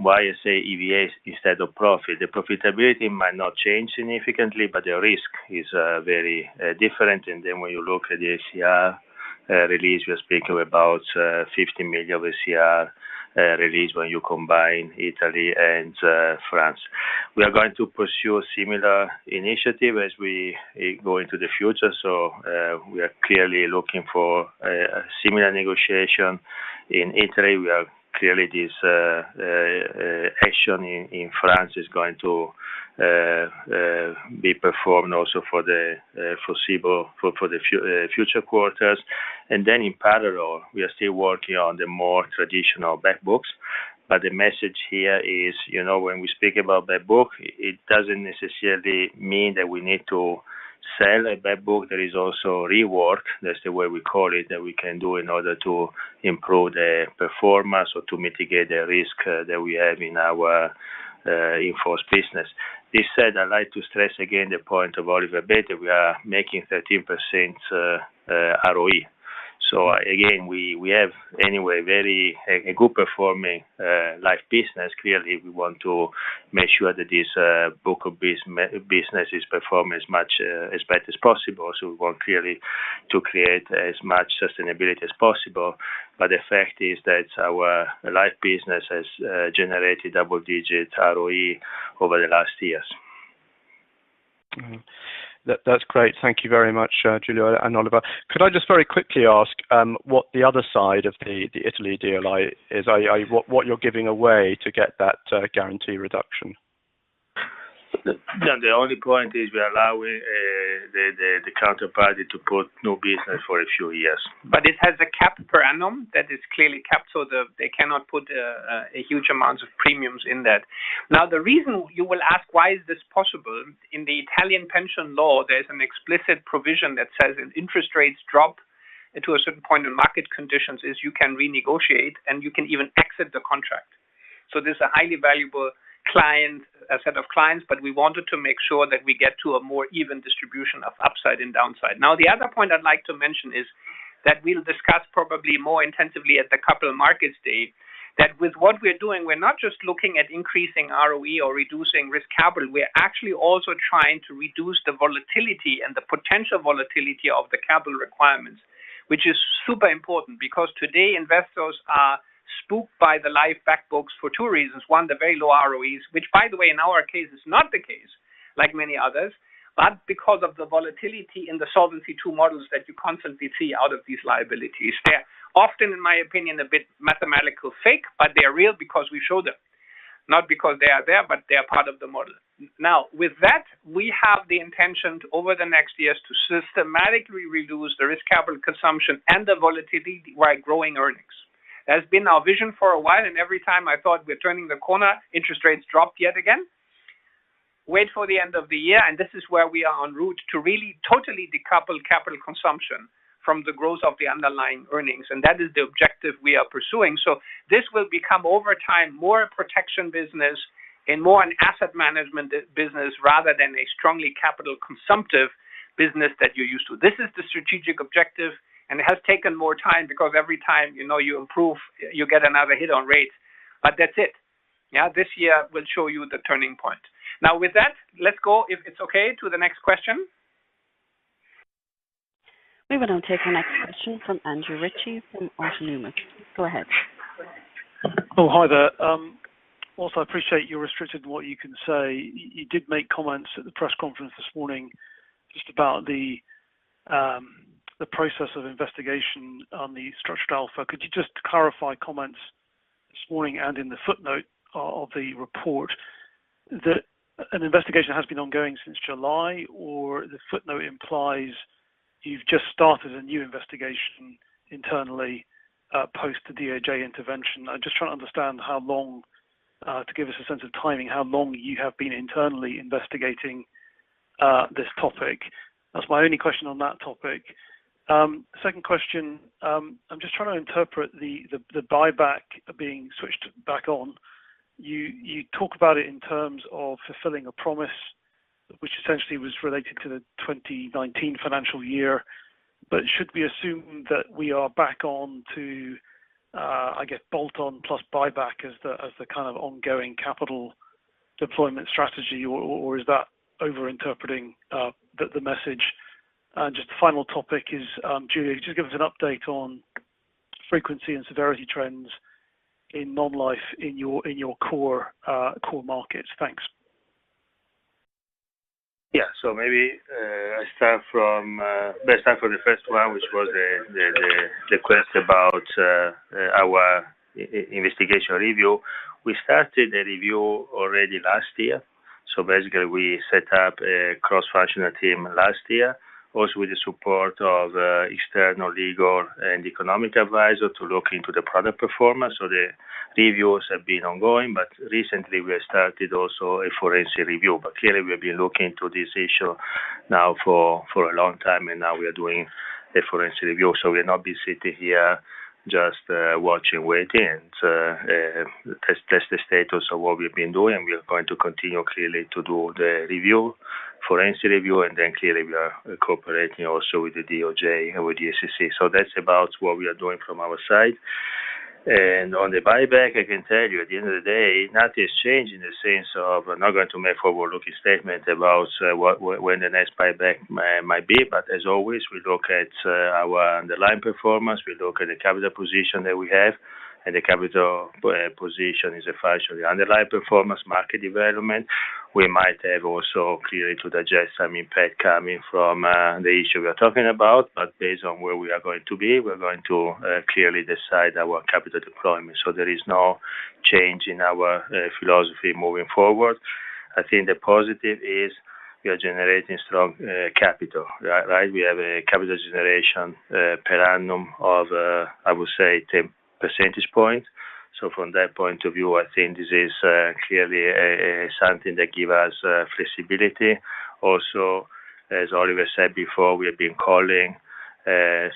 Why I say EVA instead of profit, the profitability might not change significantly, but the risk is very different. When you look at the SCR release, we are speaking about 50 million of SCR release when you combine Italy and France. We are going to pursue similar initiative as we go into the future. We are clearly looking for a similar negotiation in Italy. We have clearly this action in France is going to be performed also for the foreseeable future quarters. In parallel, we are still working on the more traditional back books. The message here is, when we speak about back book, it doesn't necessarily mean that we need to sell a back book. There is also rework, that's the way we call it, that we can do in order to improve the performance or to mitigate the risk that we have in our in-force business. This said, I'd like to stress again the point of Oliver. We are making 13% ROE. Again, we have anyway a very good performing Life business. Clearly, we want to make sure that this book of business is performed as much as best as possible. We want clearly to create as much sustainability as possible. The fact is that our Life business has generated double-digit ROE over the last years. That's great. Thank you very much, Giulio and Oliver. Could I just very quickly ask what the other side of the Italy deal is? What you're giving away to get that guarantee reduction? Yeah. The only point is we are allowing the counterparty to put no business for a few years. It has a cap per annum that is clearly capped, so they cannot put a huge amount of premiums in that. The reason you will ask why is this possible, in the Italian pension law, there's an explicit provision that says if interest rates drop to a certain point in market conditions is you can renegotiate and you can even exit the contract. This is a highly valuable set of clients, but we wanted to make sure that we get to a more even distribution of upside and downside. The other point I'd like to mention is that we'll discuss probably more intensively at the Capital Markets Day, that with what we're doing, we're not just looking at increasing ROE or reducing risk capital. We are actually also trying to reduce the volatility and the potential volatility of the capital requirements, which is super important because today investors are spooked by the Life back books for two reasons. One, the very low ROEs, which by the way, in our case, is not the case like many others, because of the volatility in the Solvency II models that you constantly see out of these liabilities. They're often, in my opinion, a bit mathematical fake, they are real because we show them. Not because they are there, they are part of the model. Now, with that, we have the intention over the next years to systematically reduce the risk capital consumption and the volatility while growing earnings. That has been our vision for a while, every time I thought we're turning the corner, interest rates dropped yet again. Wait for the end of the year, this is where we are en route to really totally decouple capital consumption from the growth of the underlying earnings, and that is the objective we are pursuing. This will become, over time, more a protection business and more an asset management business rather than a strongly capital-consumptive business that you're used to. This is the strategic objective, it has taken more time because every time you improve, you get another hit on rates. That's it. Yeah. This year will show you the turning point. With that, let's go, if it's okay, to the next question. We will now take the next question from Andrew Ritchie from Autonomous. Go ahead. Oh, hi there. Whilst I appreciate you're restricted in what you can say, you did make comments at the press conference this morning just about the process of investigation on the Structured Alpha. Could you just clarify comments this morning and in the footnote of the report that an investigation has been ongoing since July, or the footnote implies you've just started a new investigation internally, post the DOJ intervention. I'm just trying to understand how long, to give us a sense of timing, how long you have been internally investigating this topic. That's my only question on that topic. Second question, I'm just trying to interpret the buyback being switched back on. You talk about it in terms of fulfilling a promise, which essentially was related to the 2019 financial year. Should we assume that we are back on to, I guess, bolt-on plus buyback as the kind of ongoing capital deployment strategy, or is that over-interpreting the message? Just the final topic is, Giulio, just give us an update on frequency and severity trends in non-life in your core markets. Thanks. Maybe, I start from the first one, which was the request about our investigation review. We started a review already last year. Basically, we set up a cross-functional team last year, also with the support of external legal and economic advisor to look into the product performance. The reviews have been ongoing, but recently we have started also a forensic review. Clearly, we have been looking into this issue now for a long time, and now we are doing a forensic review. We'll not be sitting here just watching, waiting. That's the status of what we've been doing, and we are going to continue clearly to do the forensic review, and then clearly we are cooperating also with the DOJ and with the SEC. That's about what we are doing from our side. On the buyback, I can tell you, at the end of the day, nothing is changing in the sense of we're not going to make forward-looking statement about when the next buyback might be. As always, we look at our underlying performance. We look at the capital position that we have, and the capital position is a function of the underlying performance, market development. We might have also clearly to digest some impact coming from the issue we are talking about. Based on where we are going to be, we are going to clearly decide our capital deployment. There is no change in our philosophy moving forward. I think the positive is we are generating strong capital. Right? We have a capital generation per annum of, I would say, 10 percentage points. From that point of view, I think this is clearly something that give us flexibility. As Oliver said before, we have been calling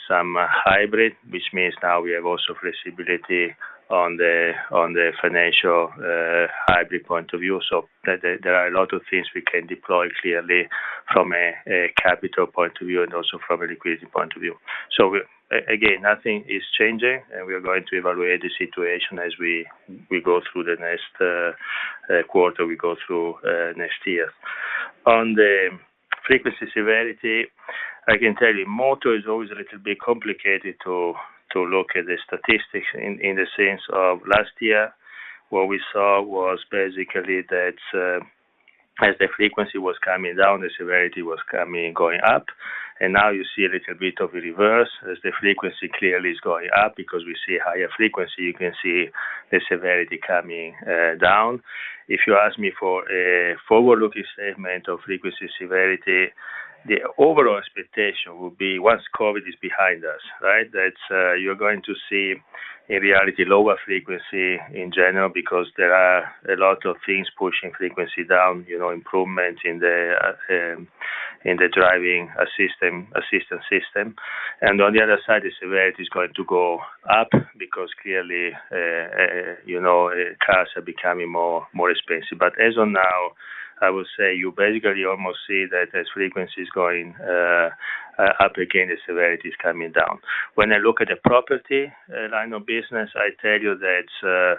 some hybrid, which means now we have also flexibility on the financial hybrid point of view. There are a lot of things we can deploy clearly from a capital point of view and also from a liquidity point of view. Again, nothing is changing, and we are going to evaluate the situation as we go through the next quarter, we go through next year. On the frequency-severity, I can tell you, [motor] is always a little bit complicated to look at the statistics in the sense of last year, what we saw was basically that as the frequency was coming down, the severity was going up. Now you see a little bit of a reverse as the frequency clearly is going up because we see higher frequency. You can see the severity coming down. If you ask me for a forward-looking statement of frequency-severity, the overall expectation will be once COVID is behind us, right? You're going to see, in reality, lower frequency in general because there are a lot of things pushing frequency down, improvements in the driving assistance system. On the other side, the severity is going to go up because clearly, cars are becoming more expensive. As of now, I would say you basically almost see that as frequency is going up again, the severity is coming down. When I look at the property line of business, I tell you that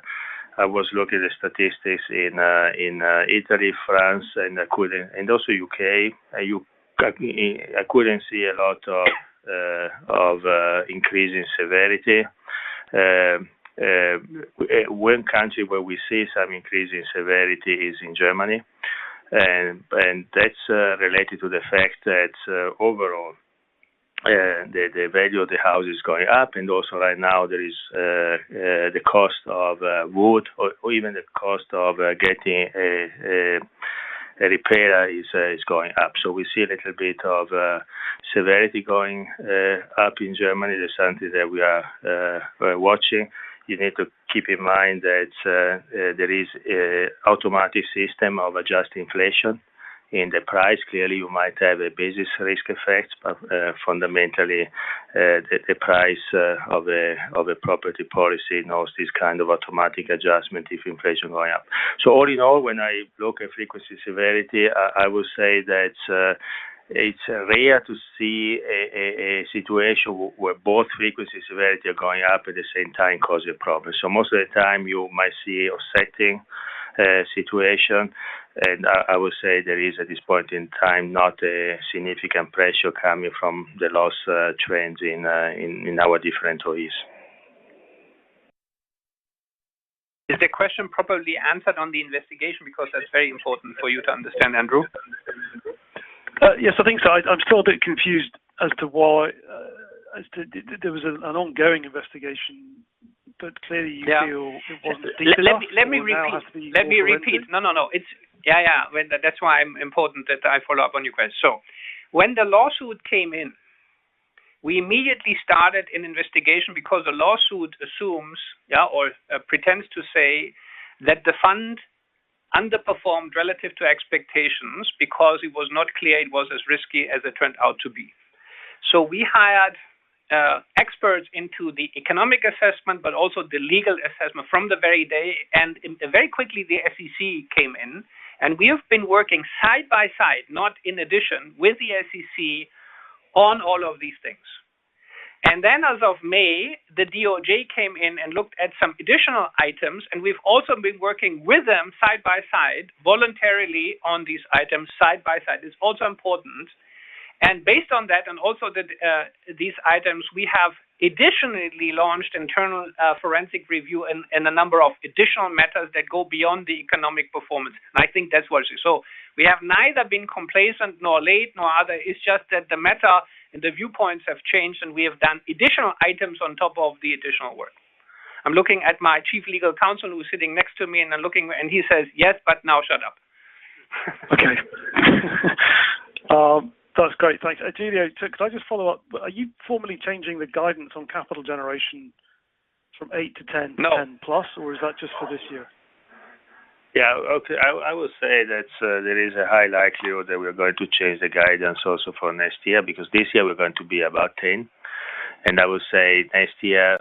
I was looking at statistics in Italy, France, and also U.K. I couldn't see a lot of increase in severity. One country where we see some increase in severity is in Germany, that's related to the fact that overall, the value of the house is going up, and also right now, there is the cost of wood or even the cost of getting a repair is going up. We see a little bit of severity going up in Germany. That's something that we are watching. You need to keep in mind that there is automatic system of adjusting inflation in the price. Clearly, you might have a business risk effect, but fundamentally, the price of a property policy knows this kind of automatic adjustment if inflation going up. All in all, when I look at frequency-severity, I would say that it's rare to see a situation where both frequency and severity are going up at the same time cause a problem. Most of the time, you might see oscillating situation, and I would say there is, at this point in time, not a significant pressure coming from the loss trends in our different OEs. Is the question properly answered on the investigation? That's very important for you to understand, Andrew. Yes, I think so. I'm still a bit confused as to why there was an ongoing investigation, but clearly you feel it wasn't. Let me repeat. Now has been more warranted. Let me repeat. No. Yeah. That's why important that I follow up on your question. When the lawsuit came in, we immediately started an investigation because the lawsuit assumes or pretends to say that the fund underperformed relative to expectations because it was not clear it was as risky as it turned out to be. We hired experts into the economic assessment, but also the legal assessment from the very day. Very quickly, the SEC came in, and we have been working side by side, not in addition, with the SEC on all of these things. As of May, the DOJ came in and looked at some additional items, and we've also been working with them side by side voluntarily on these items. Side by side is also important. Based on that, and also these items, we have additionally launched internal forensic review and a number of additional matters that go beyond the economic performance, and I think that's what. We have neither been complacent nor late nor other. It's just that the matter and the viewpoints have changed, and we have done additional items on top of the additional work. I'm looking at my chief legal counsel, who's sitting next to me, and he says, "Yes, but now shut up." Okay. That's great. Thanks. Giulio, could I just follow up? Are you formally changing the guidance on capital generation from 8% to 10%— No. 10%+ or is that just for this year? Yeah. Okay. I would say that there is a high likelihood that we're going to change the guidance also for next year, because this year we're going to be about 10%. I would say next year,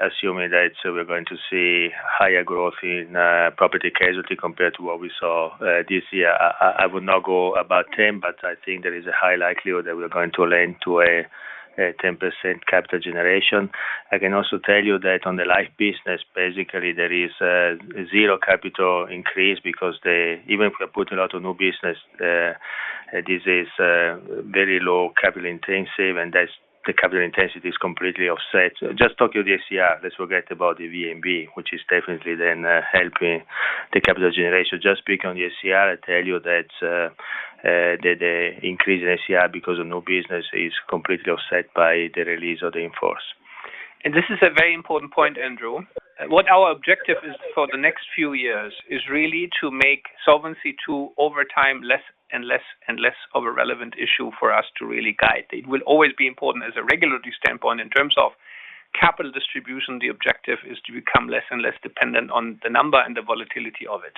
assuming that we're going to see higher growth Property-Casualty compared to what we saw this year, I would now go about 10%, but I think there is a high likelihood that we're going to lend to a 10% capital generation. I can also tell you that on the Life business, basically there is a zero capital increase because even if we put a lot of new business, this is very low capital intensive, and the capital intensity is completely offset. Just talking the SCR, let's forget about the VNB, which is definitely then helping the capital generation. Just speaking on the SCR, I tell you that the increase in SCR because of new business is completely offset by the release of the in-force. This is a very important point, Andrew. What our objective is for the next few years is really to make Solvency II, over time, less and less of a relevant issue for us to really guide. It will always be important as a regulatory standpoint. In terms of capital distribution, the objective is to become less and less dependent on the number and the volatility of it.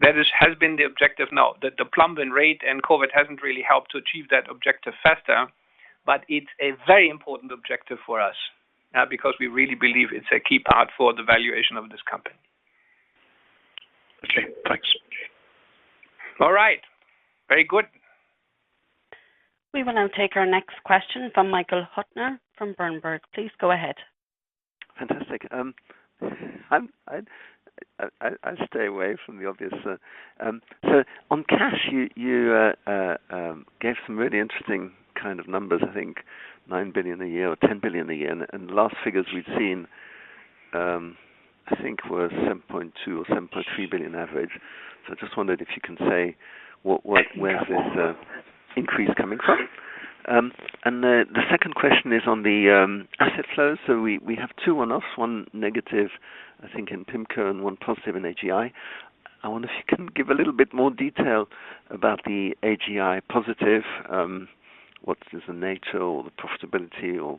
That has been the objective. The [plummeting] rate and COVID hasn't really helped to achieve that objective faster, but it's a very important objective for us now because we really believe it's a key part for the valuation of this company. Okay, thanks. All right. Very good. We will now take our next question from Michael Huttner from Berenberg. Please go ahead. Fantastic. I stay away from the obvious. On cash, you gave some really interesting kind of numbers, I think 9 billion a year or 10 billion a year. The last figures we've seen, I think, were 7.2 billion or 7.3 billion average. I just wondered if you can say where this increase is coming from. The second question is on the asset flows. We have two on us, one negative, I think, in PIMCO and one positive in AGI. I wonder if you can give a little bit more detail about the AGI positive. What is the nature or the profitability, or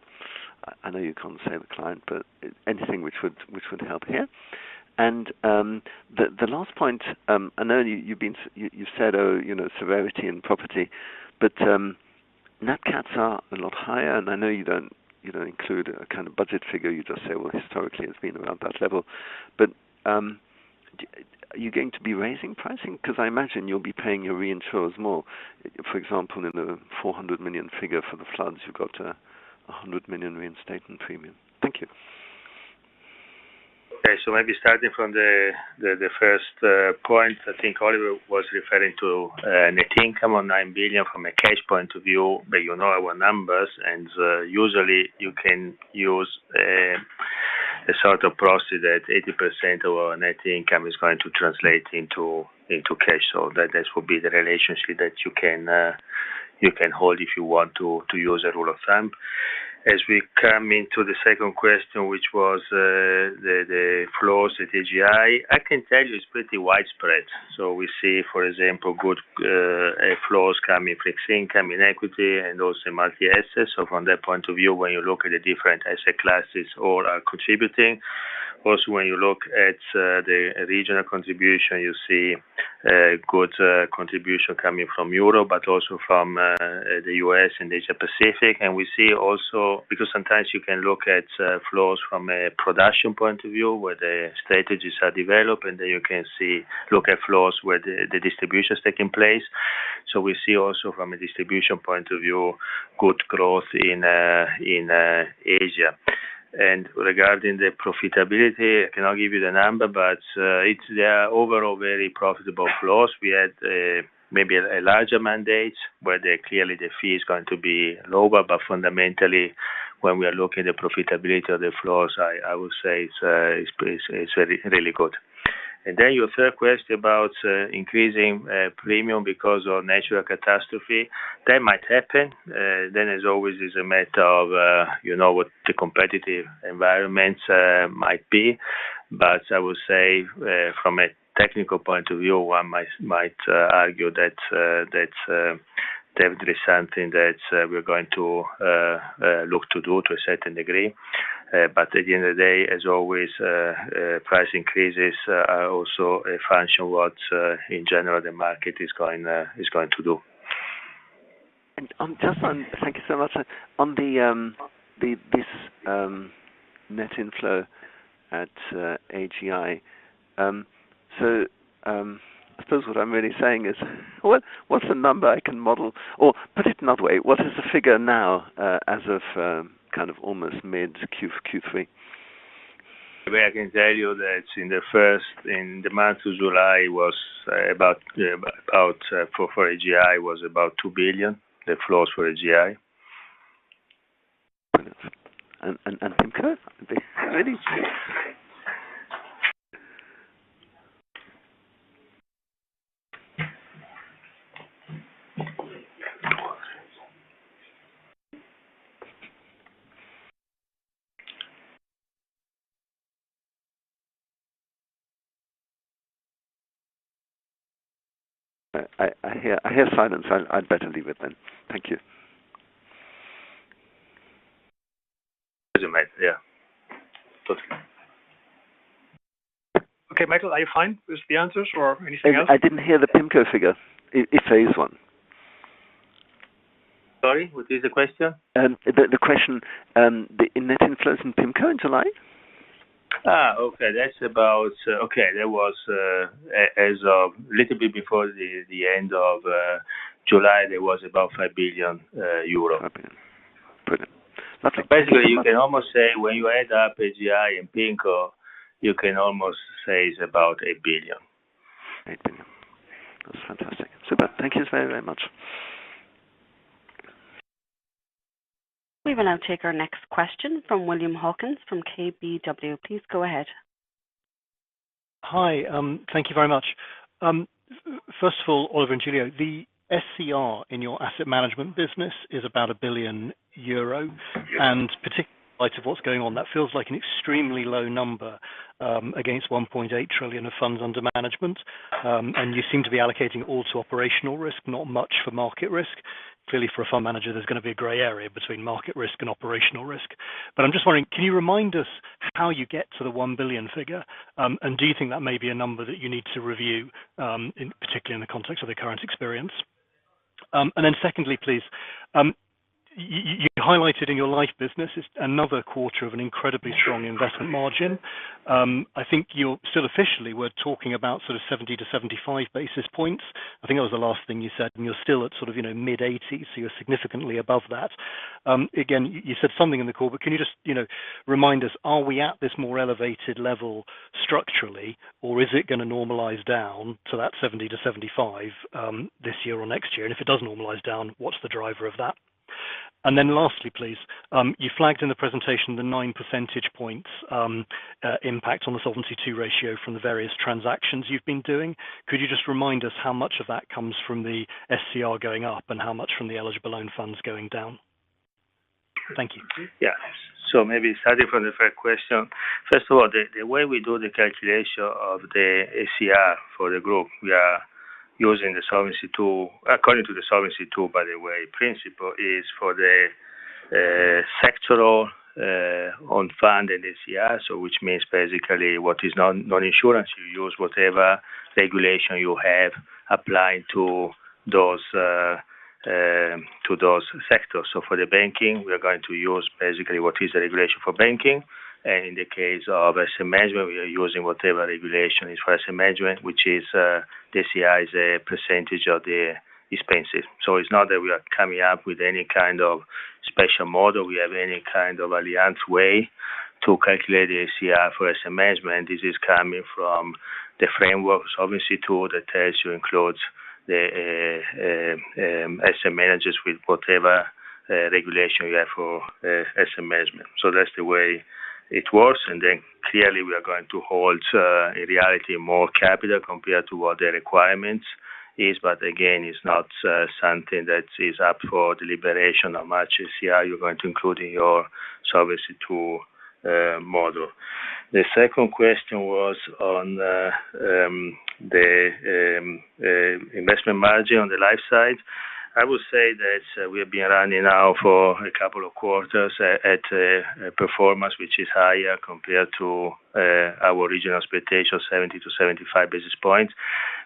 I know you can't say the client, but anything which would help here. The last point, I know you've said, severity and property, but NatCats are a lot higher, and I know you don't include a kind of budget figure. You just say, well, historically it's been around that level. Are you going to be raising pricing? Because I imagine you'll be paying your reinsurers more. For example, in the 400 million figure for the floods, you've got 100 million reinstatement premium. Thank you. Okay. Maybe starting from the first point, I think Oliver was referring to net income of 9 billion from a cash point of view. You know our numbers, and usually you can use a sort of process that 80% of our net income is going to translate into cash. That will be the relationship that you can hold if you want to use a rule of thumb. As we come into the second question, which was the flows at AGI, I can tell you it's pretty widespread. We see, for example, good flows coming, fixed income in equity and also multi-assets. From that point of view, when you look at the different asset classes, all are contributing. Also, when you look at the regional contribution, you see good contribution coming from Europe, but also from the U.S. and Asia-Pacific. We see also, because sometimes you can look at flows from a production point of view, where the strategies are developed, and then you can look at flows where the distribution is taking place. We see also from a distribution point of view, good growth in Asia. Regarding the profitability, I cannot give you the number, but they are overall very profitable flows. We had maybe a larger mandate where clearly the fee is going to be lower. Fundamentally, when we are looking at the profitability of the flows, I would say it's really good. Your third question about increasing premium because of natural catastrophe. That might happen. As always, is a matter of what the competitive environment might be. I would say from a technical point of view, one might argue that's definitely something that we're going to look to do to a certain degree. At the end of the day, as always price increases are also a function of what in general the market is going to do. Thank you so much. On this net inflow at AGI, I suppose what I'm really saying is, what's the number I can model? Put it another way, what is the figure now as of kind of almost mid Q3? The way I can tell you that in the month of July was about, for AGI, was about 2 billion, the flows for AGI. Thank you. I hear silence. I'd better leave it then. Thank you. As you might. Yeah. That's okay. Okay, Michael, are you fine with the answers or anything else? I didn't hear the PIMCO figure, if there is one. Sorry, what is the question? The question, the net inflows in PIMCO into Life. Okay. A little bit before the end of July, there was about 5 billion euros. Brilliant. Okay. Basically, you can almost say when you add up AGI and PIMCO, you can almost say it's about 8 billion. 8 billion. That's fantastic. Super. Thank you very, very much. We will now take our next question from William Hawkins from KBW. Please go ahead. Hi. Thank you very much. First of all, Oliver and Giulio, the SCR in your Asset Management business is about 1 billion euro. Particularly in light of what's going on, that feels like an extremely low number against 1.8 trillion of funds under management. You seem to be allocating it all to operational risk, not much for market risk. Clearly, for a fund manager, there's going to be a gray area between market risk and operational risk. I'm just wondering, can you remind us how you get to the 1 billion figure? Do you think that may be a number that you need to review, particularly in the context of the current experience? Secondly, please, you highlighted in your Life business, it's another quarter of an incredibly strong investment margin. I think you still officially were talking about sort of 70-75 basis points. I think that was the last thing you said, and you're still at sort of mid-80s, so you're significantly above that. Again, you said something in the call, but can you just remind us, are we at this more elevated level structurally, or is it going to normalize down to that 70-75 this year or next year? If it does normalize down, what's the driver of that? Lastly, please, you flagged in the presentation the 9 percentage points impact on the Solvency II ratio from the various transactions you've been doing. Could you just remind us how much of that comes from the SCR going up and how much from the eligible own funds going down? Thank you. Maybe starting from the first question. First of all, the way we do the calculation of the SCR for the group, we are using the Solvency II, according to the Solvency II, by the way, principle is for the sectoral own fund and SCR. Which means basically what is non-insurance, you use whatever regulation you have applied to those sectors. For the banking, we are going to use basically what is the regulation for banking, and in the case of Asset Management, we are using whatever regulation is for asset management, which is the SCR is a percentage of the expenses. It's not that we are coming up with any kind of special model, we have any kind of Allianz way to calculate the SCR for asset management. This is coming from the frameworks, obviously, too, that tells you includes the asset managers with whatever regulation you have for asset management. That's the way it works. Clearly we are going to hold, in reality, more capital compared to what the requirements is. Again, it's not something that is up for deliberation on how much SCR you're going to include in your Solvency II model. The second question was on the investment margin on the Life side. I would say that we've been running now for a couple of quarters at a performance which is higher compared to our original expectation, 70-75 basis points.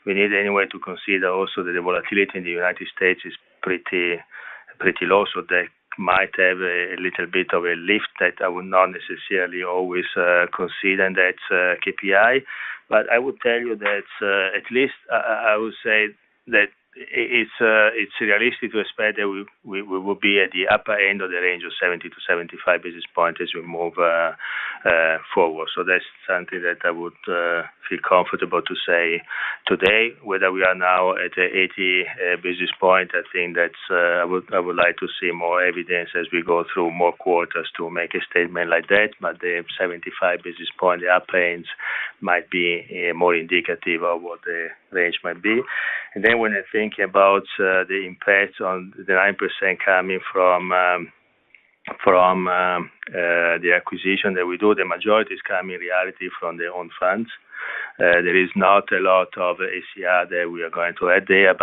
We need any way to consider also that the volatility in the United States is pretty low, so that might have a little bit of a lift that I would not necessarily always consider in that KPI. I would tell you that at least I would say that it's realistic to expect that we will be at the upper end of the range of 70-75 basis points as we move forward. That's something that I would feel comfortable to say today. Whether we are now at 80 basis points, I think that I would like to see more evidence as we go through more quarters to make a statement like that. The 75 basis points, the upper end, might be more indicative of what the range might be. When I think about the impact on the 9% coming from the acquisition that we do, the majority is coming in reality from their own funds. There is not a lot of SCR that we are going to add there. If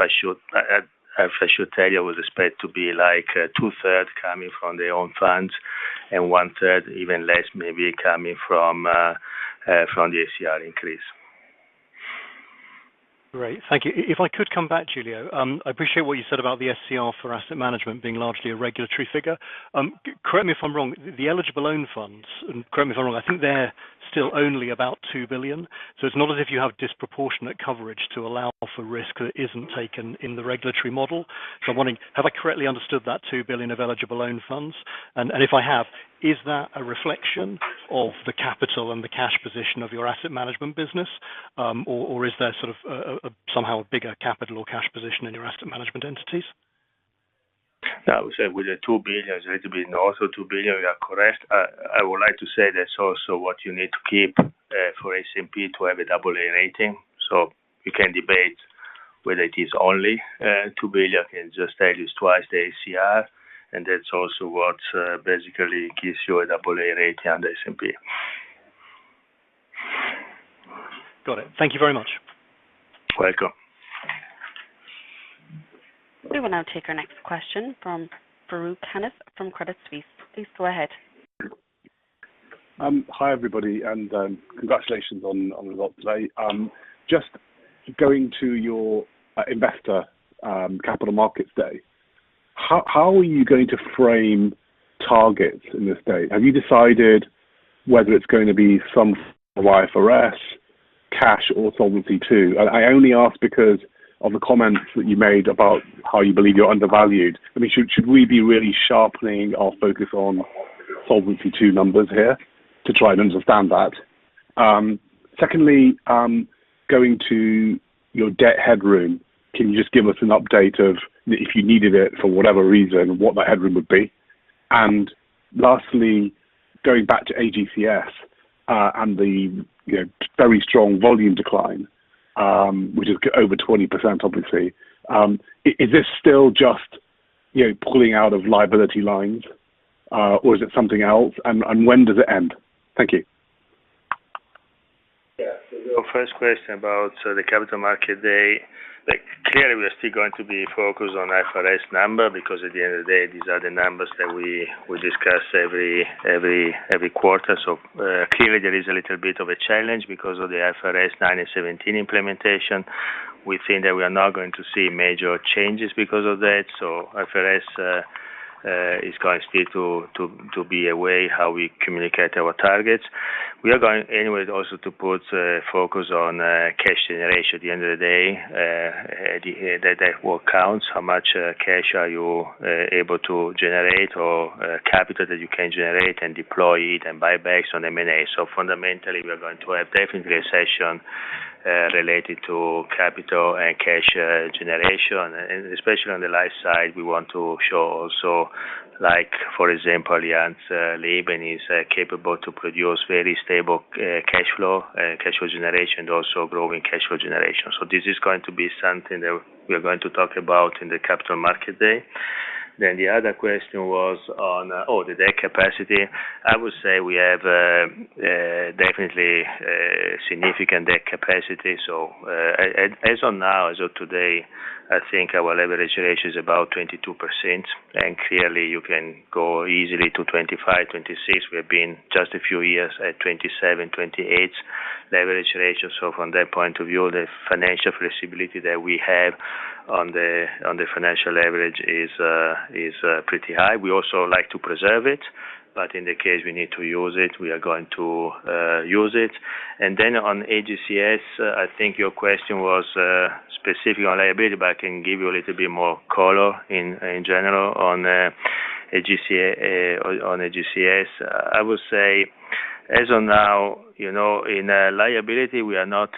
I should tell you, I would expect to be two-third coming from their own funds and one-third, even less maybe, coming from the SCR increase. Great. Thank you. If I could come back, Giulio. I appreciate what you said about the SCR for Asset Management being largely a regulatory figure. Correct me if I'm wrong, the eligible own funds, and correct me if I'm wrong, I think they're still only about 2 billion. It's not as if you have disproportionate coverage to allow for risk that isn't taken in the regulatory model. I'm wondering, have I correctly understood that 2 billion of eligible own funds? If I have, is that a reflection of the capital and the cash position of your Asset Management business? Is there sort of somehow a bigger capital or cash position in your Asset Management entities? I would say with the 2 billion, there's going to be also 2 billion, you are correct. I would like to say that's also what you need to keep for S&P to have a AA rating. We can debate whether it is only 2 billion, I can just tell you it's twice the SCR, and that's also what basically gives you a AA rating on the S&P. Got it. Thank you very much. Welcome. We will now take our next question from Farooq Hanif from Credit Suisse. Please go ahead. Hi, everybody, and congratulations on the launch today. Going to your investor Capital Markets Day. How are you going to frame targets in this day? Have you decided whether it's going to be some IFRS cash or Solvency II? I only ask because of the comments that you made about how you believe you're undervalued. Should we be really sharpening our focus on Solvency II numbers here to try and understand that? Secondly, going to your debt headroom, can you just give us an update of, if you needed it for whatever reason, what that headroom would be? Lastly, going back to AGCS, the very strong volume decline, which is over 20%, obviously. Is this still just pulling out of liability lines? Is it something else, and when does it end? Thank you. Yeah. Your first question about the Capital Markets Day. Clearly, we are still going to be focused on IFRS number because at the end of the day, these are the numbers that we discuss every quarter. Clearly there is a little bit of a challenge because of the IFRS 9 and 17 implementation. We think that we are not going to see major changes because of that. IFRS is going still to be a way how we communicate our targets. We are going anyway also to put focus on cash generation. At the end of the day, that what counts, how much cash are you able to generate or capital that you can generate and deploy it and buybacks on M&A. Fundamentally, we are going to have definitely a session related to capital and cash generation, and especially on the life side, we want to show also like, for example, Allianz Leben is capable to produce very stable cash flow, cash generation, also growing cash flow generation. This is going to be something that we're going to talk about in the Capital Markets Day. The other question was on the debt capacity. I would say we have definitely a significant debt capacity. As of now, as of today, I think our leverage ratio is about 22%, and clearly you can go easily to 25%, 26%. We've been just a few years at 27%, 28% leverage ratio. From that point of view, the financial flexibility that we have on the financial leverage is pretty high. We also like to preserve it, but in the case we need to use it, we are going to use it. On AGCS, I think your question was specific on liability, but I can give you a little bit more color in general on AGCS. I would say as of now, in liability, we are not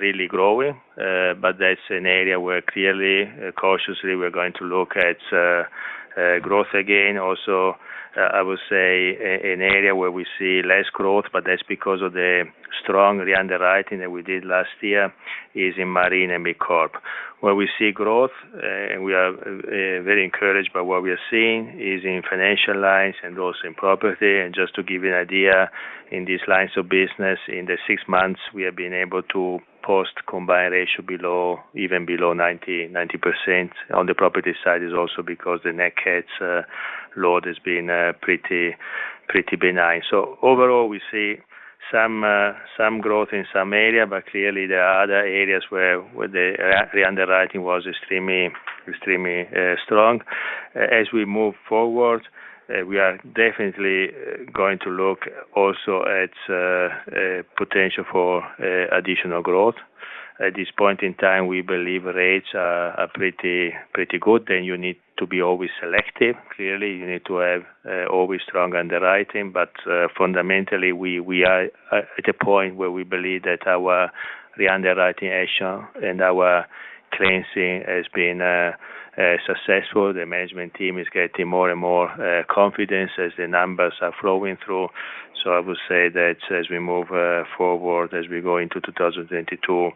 really growing, but that's an area where clearly, cautiously, we're going to look at growth again. Also, I would say an area where we see less growth, but that's because of the strong re-underwriting that we did last year is in marine and MidCorp. Where we see growth, and we are very encouraged by what we are seeing, is in financial lines and also in property. Just to give you an idea, in these lines of business, in the six months, we have been able to post combined ratio even below 90%. On the property side, it's also because the NatCat load has been pretty benign. Overall, we see some growth in some areas, but clearly there are other areas where the re-underwriting was extremely strong. As we move forward, we are definitely going to look also at potential for additional growth. At this point in time, we believe rates are pretty good, and you need to be always selective. Clearly, you need to have always strong underwriting. Fundamentally, we are at a point where we believe that our re-underwriting action and our cleansing has been successful. The management team is getting more and more confidence as the numbers are flowing through. I would say that as we move forward, as we go into 2022,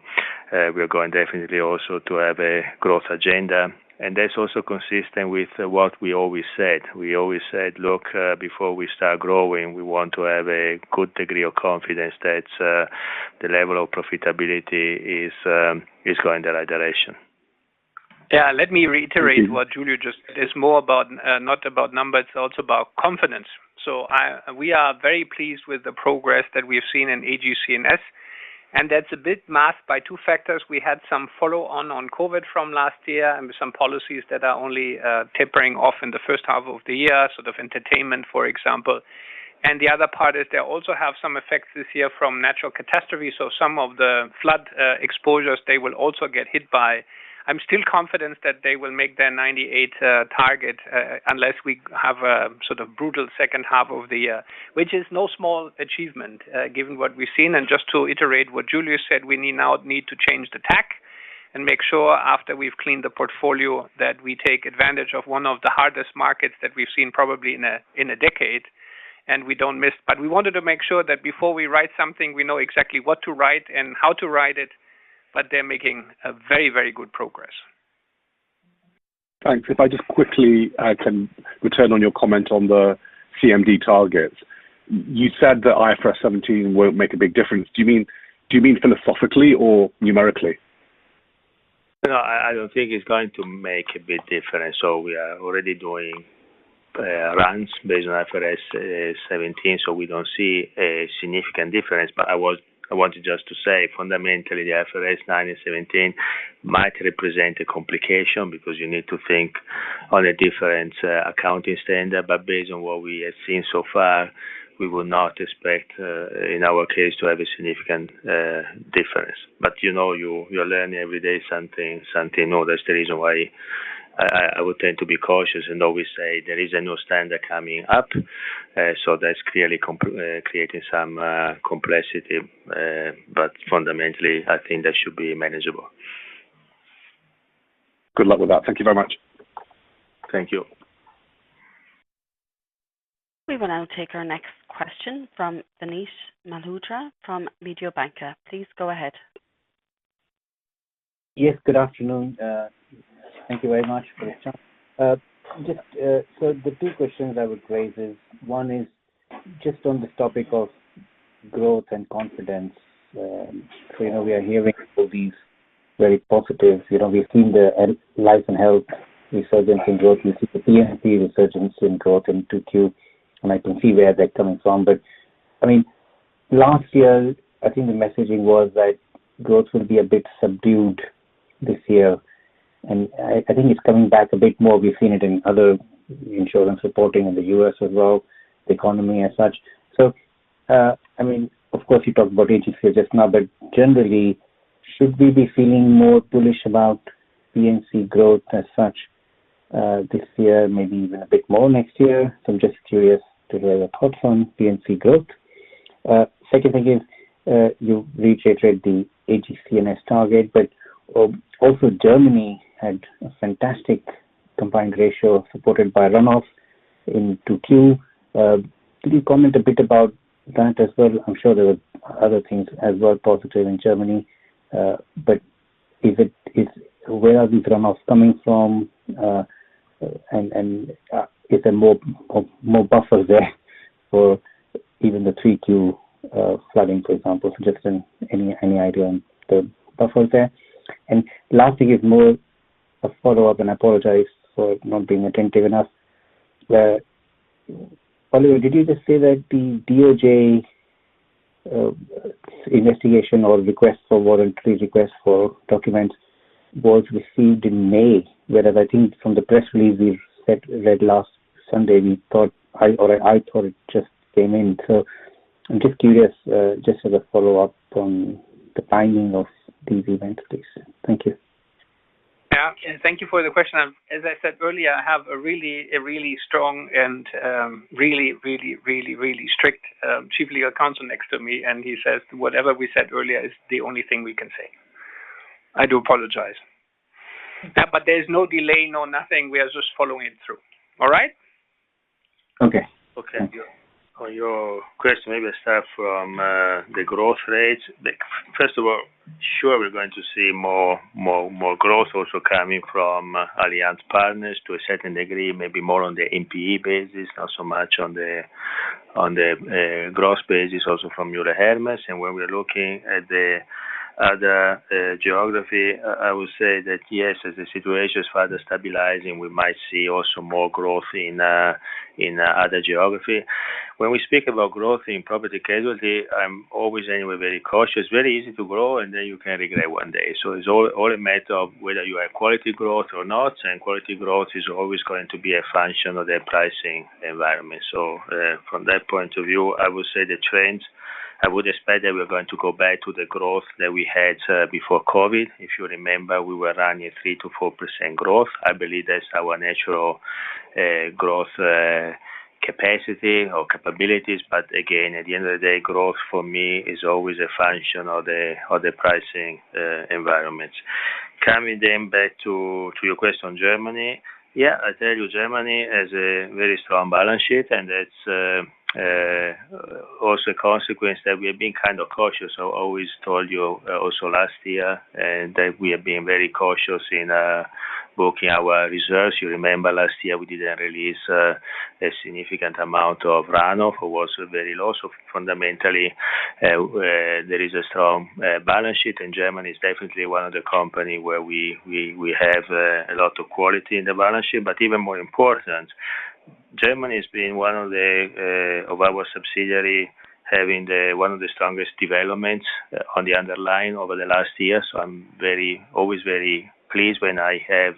we are going definitely also to have a growth agenda. That's also consistent with what we always said. We always said, look, before we start growing, we want to have a good degree of confidence that the level of profitability is going in the right direction. Yeah, let me reiterate what Giulio just said. It's more about, not about numbers, it's also about confidence. We are very pleased with the progress that we've seen in AGCS, and that's a bit masked by two factors. We had some follow-on on COVID from last year and some policies that are only tapering off in the first half of the year, sort of entertainment, for example. The other part is they also have some effects this year from natural catastrophe. Some of the flood exposures they will also get hit by. I'm still confident that they will make their 98% target, unless we have a sort of brutal second half of the year, which is no small achievement, given what we've seen. Just to iterate what Giulio said, we now need to change the tack and make sure after we've cleaned the portfolio that we take advantage of one of the hardest markets that we've seen probably in a decade, and we don't miss. We wanted to make sure that before we write something, we know exactly what to write and how to write it, but they're making a very good progress. Thanks. If I just quickly can return on your comment on the CMD targets. You said that IFRS 17 won't make a big difference. Do you mean philosophically or numerically? No, I don't think it's going to make a big difference. We are already doing runs based on IFRS 17, so we don't see a significant difference. I wanted just to say, fundamentally, the IFRS 9 and 17 might represent a complication because you need to think on a different accounting standard. Based on what we have seen so far, we would not expect, in our case, to have a significant difference. You're learning every day something. That's the reason why I would tend to be cautious and always say there is a new standard coming up. That's clearly creating some complexity. Fundamentally, I think that should be manageable. Good luck with that. Thank you very much. Thank you. We will now take our next question from Vinit Malhotra from Mediobanca. Please go ahead. Yes, good afternoon. Thank you very much for the chance. The two questions I would raise is, one is just on this topic of growth and confidence. We are hearing all these very positive. We've seen the Life and Health resurgence in growth, we see the P/C resurgence in growth in 2Q, and I can see where that's coming from. Last year, I think the messaging was that growth will be a bit subdued this year, and I think it's coming back a bit more. We've seen it in other insurance reporting in the U.S. as well, the economy as such. Of course, you talked about AGCS just now, but generally, should we be feeling more bullish about P/C growth as such? this year, maybe even a bit more next year. I'm just curious to hear your thoughts on P/C growth. Second thing is, you reiterate the AGCS target, but also Germany had a fantastic combined ratio supported by run-off in 2Q. Could you comment a bit about that as well? I'm sure there were other things as well, positive in Germany. Where are these run-offs coming from? Is there more buffer there for even the 3Q flooding, for example? Just any idea on the buffers there. Last thing is more a follow-up, and I apologize for not being attentive enough. Oliver, did you just say that the DOJ investigation or request for warrant, request for documents was received in May? Whereas I think from the press release we read last Sunday, I thought it just came in. I'm just curious, just as a follow-up on the timing of these events, please. Thank you. Yeah. Thank you for the question. As I said earlier, I have a really strong and really strict Chief Legal Counsel next to me, and he says whatever we said earlier is the only thing we can say. I do apologize. There's no delay, no nothing. We are just following it through. All right? Okay. Thank you. Okay. On your question, maybe let's start from the growth rates. First of all, sure, we're going to see more growth also coming from Allianz Partners to a certain degree, maybe more on the NPE basis, not so much on the gross basis, also from Euler Hermes. When we are looking at the other geography, I would say that yes, as the situation is further stabilizing, we might see also more growth in other geography. When we speak about growth Property-Casualty, I'm always anywhere very cautious. Very easy to grow, then you can regret one day. It's all a matter of whether you have quality growth or not, quality growth is always going to be a function of the pricing environment. From that point of view, I would say the trends, I would expect that we're going to go back to the growth that we had before COVID. If you remember, we were running at 3%-4% growth. I believe that's our natural growth capacity or capabilities. At the end of the day, growth for me is always a function of the pricing environment. Back to your question, Germany. I tell you, Germany has a very strong balance sheet, and that's also a consequence that we are being kind of cautious. I always told you, also last year, that we are being very cautious in booking our reserves. You remember last year we didn't release a significant amount of run-off. It was very low. Fundamentally, there is a strong balance sheet, and Germany is definitely one of the companies where we have a lot of quality in the balance sheet. Even more important, Germany is one of our subsidiaries, having one of the strongest developments on the underlying over the last year. I'm always very pleased when I have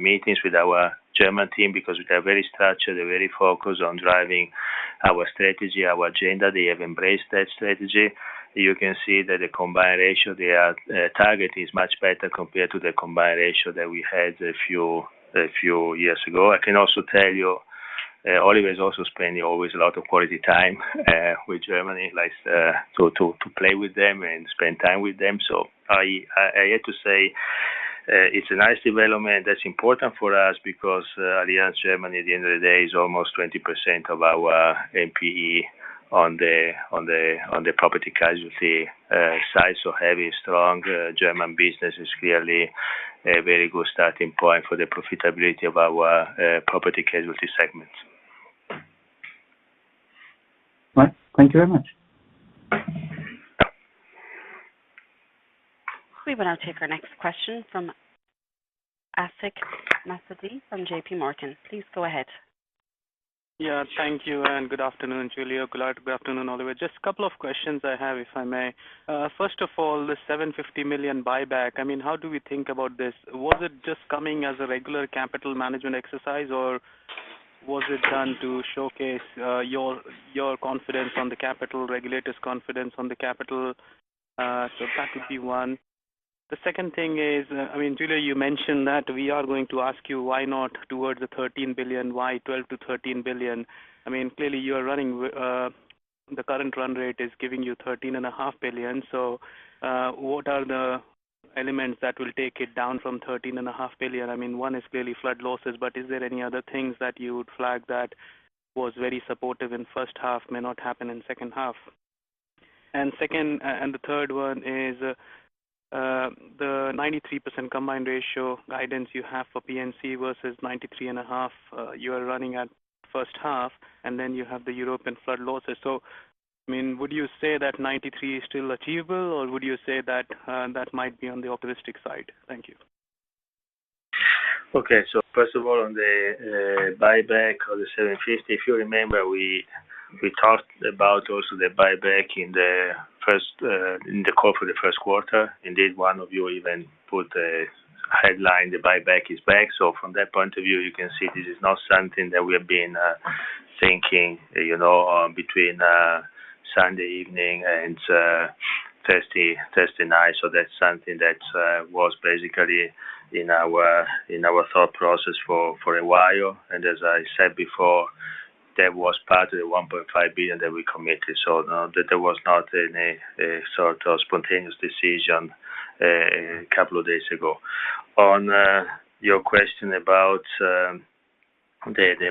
meetings with our German team because they are very structured, they're very focused on driving our strategy, our agenda. They have embraced that strategy. You can see that the combined ratio they are targeting is much better compared to the combined ratio that we had a few years ago. I can also tell you, Oliver is also spending always a lot of quality time with Germany, likes to play with them and spend time with them. I have to say, it's a nice development. That's important for us because Allianz Germany, at the end of the day, is almost 20% of our NPE on the Property-Casualty side. Having strong German business is clearly a very good starting point for the profitability of our Property-Casualty segment. Right. Thank you very much. We will now take our next question from Ashik Musaddi from JPMorgan. Please go ahead. Thank you, and good afternoon, Giulio. Good afternoon, Oliver. Just a couple of questions I have, if I may. The 750 million buyback. How do we think about this? Was it just coming as a regular capital management exercise, or was it done to showcase your confidence on the capital, regulators' confidence on the capital? That would be one. The second thing is, Giulio, you mentioned that we are going to ask you why not towards the 13 billion, why 12 billion-13 billion. Clearly, the current run rate is giving you 13.5 billion, what are the elements that will take it down from 13.5 billion? One is clearly flood losses, is there any other things that you would flag that was very supportive in first half, may not happen in second half? The third one is, the 93% combined ratio guidance you have for P/C versus 93.5% you are running at first half, and then you have the European flood losses. Would you say that 93% is still achievable, or would you say that might be on the optimistic side? Thank you. First of all, on the buyback of 750 million, if you remember, we talked about also the buyback in the call for Q1. Indeed, one of you even put a headline, "The buyback is back." From that point of view, you can see this is not something that we have been thinking between Sunday evening and Thursday night. That's something that was basically in our thought process for a while. As I said before, that was part of the 1.5 billion that we committed. There was not any sort of spontaneous decision a couple of days ago. On your question about the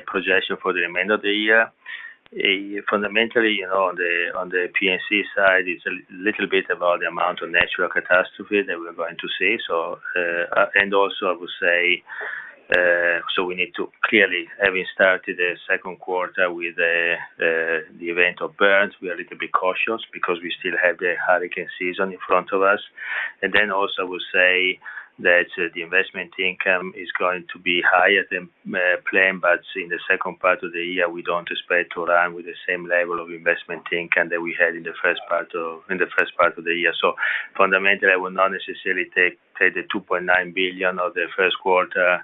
projection for the remainder of the year, fundamentally, on the P/C side, it's a little bit about the amount of natural catastrophes that we're going to see. I would say, we need to clearly, having started the second quarter with the event of Bernd, be a little bit cautious because we still have the hurricane season in front of us. I would say that the investment income is going to be higher than planned, but in the second part of the year, we don't expect to run with the same level of investment income that we had in the first part of the year. Fundamentally, I would not necessarily take the 2.9 billion of the first quarter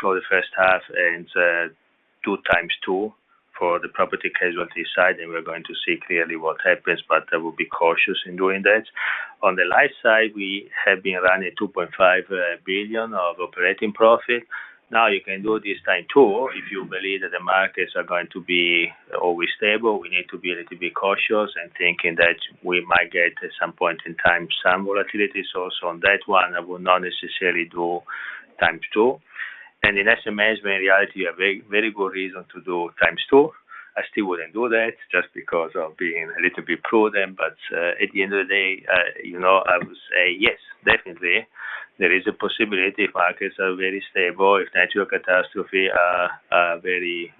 for the first half and two times two for the Property-Casualty side, and we're going to see clearly what happens, but I would be cautious in doing that. On the Life side, we have been running 2.5 billion of operating profit. Now you can do this times two, if you believe that the markets are going to be always stable. We need to be a little bit cautious and thinking that we might get, at some point in time, some volatility. On that one, I would not necessarily do times two. In Asset Management, in reality, a very good reason to do times two. I still wouldn't do that just because of being a little bit prudent. At the end of the day, I would say yes, definitely, there is a possibility if markets are very stable, if natural catastrophes are pretty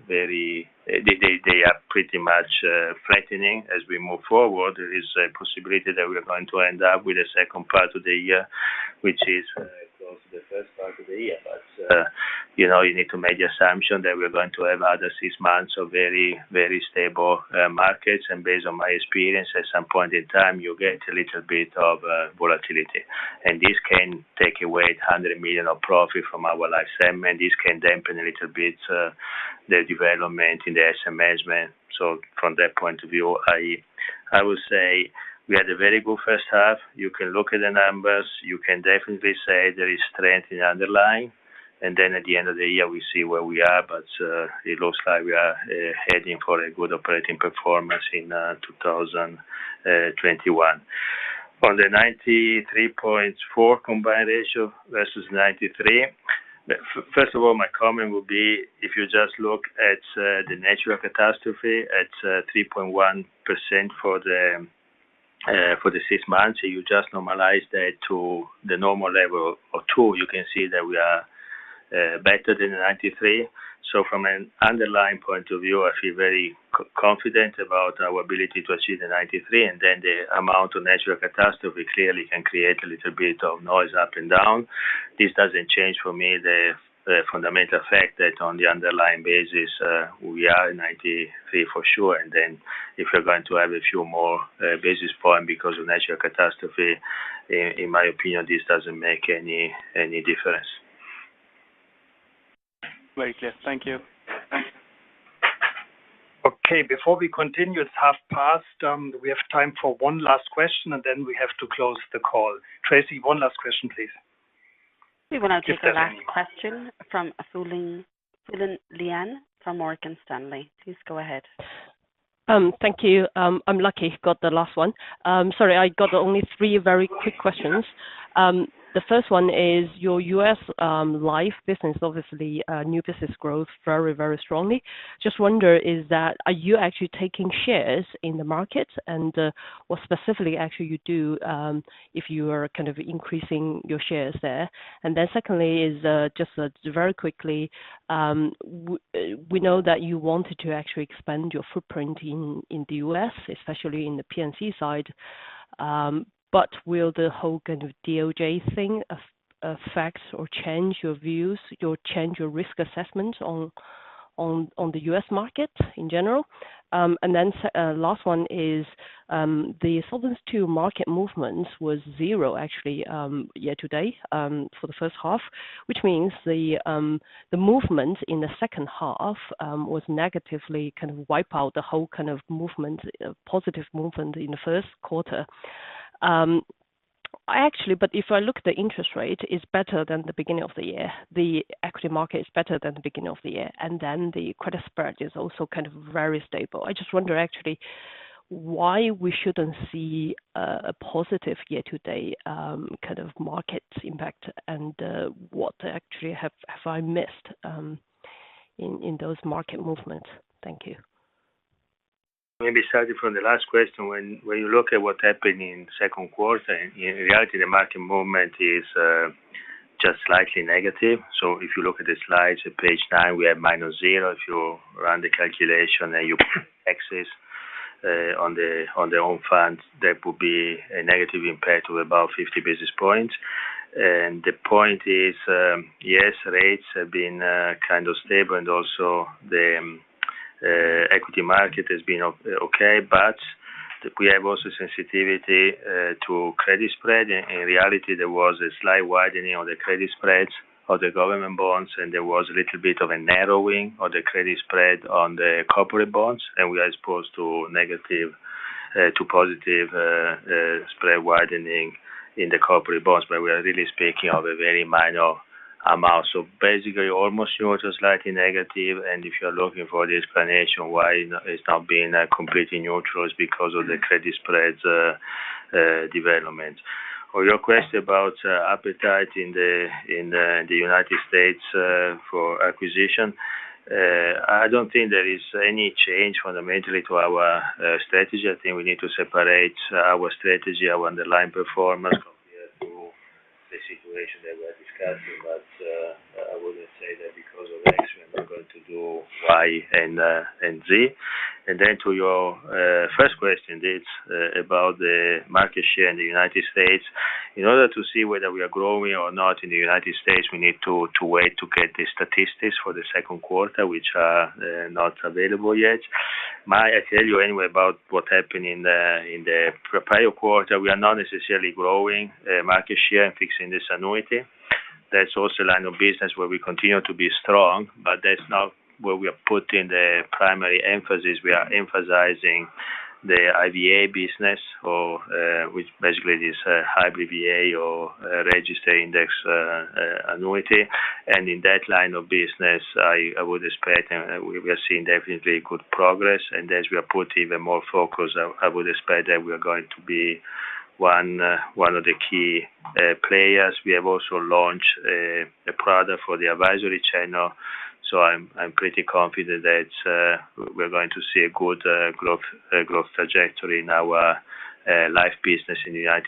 much threatening as we move forward. There is a possibility that we are going to end up with the second part of the year, which is close to the first part of the year. You need to make the assumption that we're going to have another six months of very stable markets. Based on my experience, at some point in time, you get a little bit of volatility. This can take away 100 million of profit from our Life segment. This can dampen a little bit the development in the Asset Management. From that point of view, I will say we had a very good first half. You can look at the numbers. You can definitely say there is strength in underlying. At the end of the year, we see where we are. It looks like we are heading for a good operating performance in 2021. On the 93.4% combined ratio versus 93%. First of all, my comment would be, if you just look at the natural catastrophe at 3.1% for the six months, you just normalize that to the normal level of two, you can see that we are better than the 93%. From an underlying point of view, I feel very confident about our ability to achieve the 93%, and then the amount of natural catastrophe clearly can create a little bit of noise up and down. This doesn't change for me the fundamental fact that on the underlying basis, we are 93% for sure. If we're going to have a few more basis points because of natural catastrophe, in my opinion, this doesn't make any difference. Very clear. Thank you. Okay. Before we continue, it is half past. We have time for one last question, and then we have to close the call. Tracy, one last question, please. We will now take the last question from Fulin Liang from Morgan Stanley. Please go ahead. Thank you. I'm lucky, got the last one. Sorry, I got only three very quick questions. The first one is, your U.S. Life business, obviously, new business growth very strongly. Just wonder, are you actually taking shares in the market? What specifically actually you do if you are kind of increasing your shares there? Secondly is, just very quickly, we know that you wanted to actually expand your footprint in the U.S., especially in the P/C side. Will the whole kind of DOJ thing affect or change your views or change your risk assessment on the U.S. market in general? Last one is, the Solvency II market movements was 0 actually year-to-date, for the first half, which means the movement in the second half would negatively kind of wipe out the whole kind of positive movement in the first quarter. Actually, if I look at the interest rate, it's better than the beginning of the year. The equity market is better than the beginning of the year. The credit spread is also kind of very stable. I just wonder actually why we shouldn't see a positive year-to-date kind of market impact and what actually have I missed in those market movements. Thank you. Maybe starting from the last question. When you look at what happened in the second quarter, in reality, the market movement is just slightly negative. If you look at the slides at page nine, we are minus zero. If you run the calculation and you put effects on the own funds, that would be a negative impact of about 50 basis points. The point is, yes, rates have been kind of stable, and also the equity market has been okay. We have also sensitivity to credit spread. In reality, there was a slight widening of the credit spreads of the government bonds, and there was a little bit of a narrowing of the credit spread on the corporate bonds, and we are exposed to positive spread widening in the corporate bonds. We are really speaking of a very minor amount. Basically almost slightly negative. If you're looking for the explanation why it's not being completely neutral, it's because of the credit spreads development. For your question about appetite in the United States for acquisition, I don't think there is any change fundamentally to our strategy. I think we need to separate our strategy, our underlying performance compared to the situation that we are discussing. I wouldn't say that because of X, we are going to do Y and Z. To your first question, about the market share in the United States. In order to see whether we are growing or not in the United States, we need to wait to get the statistics for the second quarter, which are not available yet. May I tell you anyway about what happened in the prior quarter? We are not necessarily growing market share and fixing this annuity. That's also a line of business where we continue to be strong, but that's not where we are putting the primary emphasis. We are emphasizing the IVA business, which basically is a hybrid VA or registered index-linked annuity. In that line of business, I would expect, and we are seeing definitely good progress, and as we are putting even more focus, I would expect that we are going to be one of the key players. We have also launched a product for the advisory channel, so I'm pretty confident that we're going to see a good growth trajectory in our Life business in the U.S.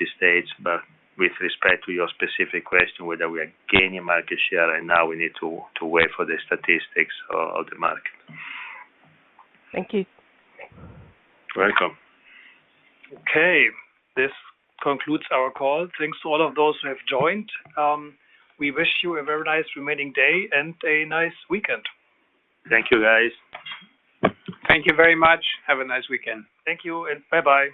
With respect to your specific question, whether we are gaining market share, right now we need to wait for the statistics of the market. Thank you. You're welcome. Okay. This concludes our call. Thanks to all of those who have joined. We wish you a very nice remaining day and a nice weekend. Thank you, guys. Thank you very much. Have a nice weekend. Thank you, and bye-bye.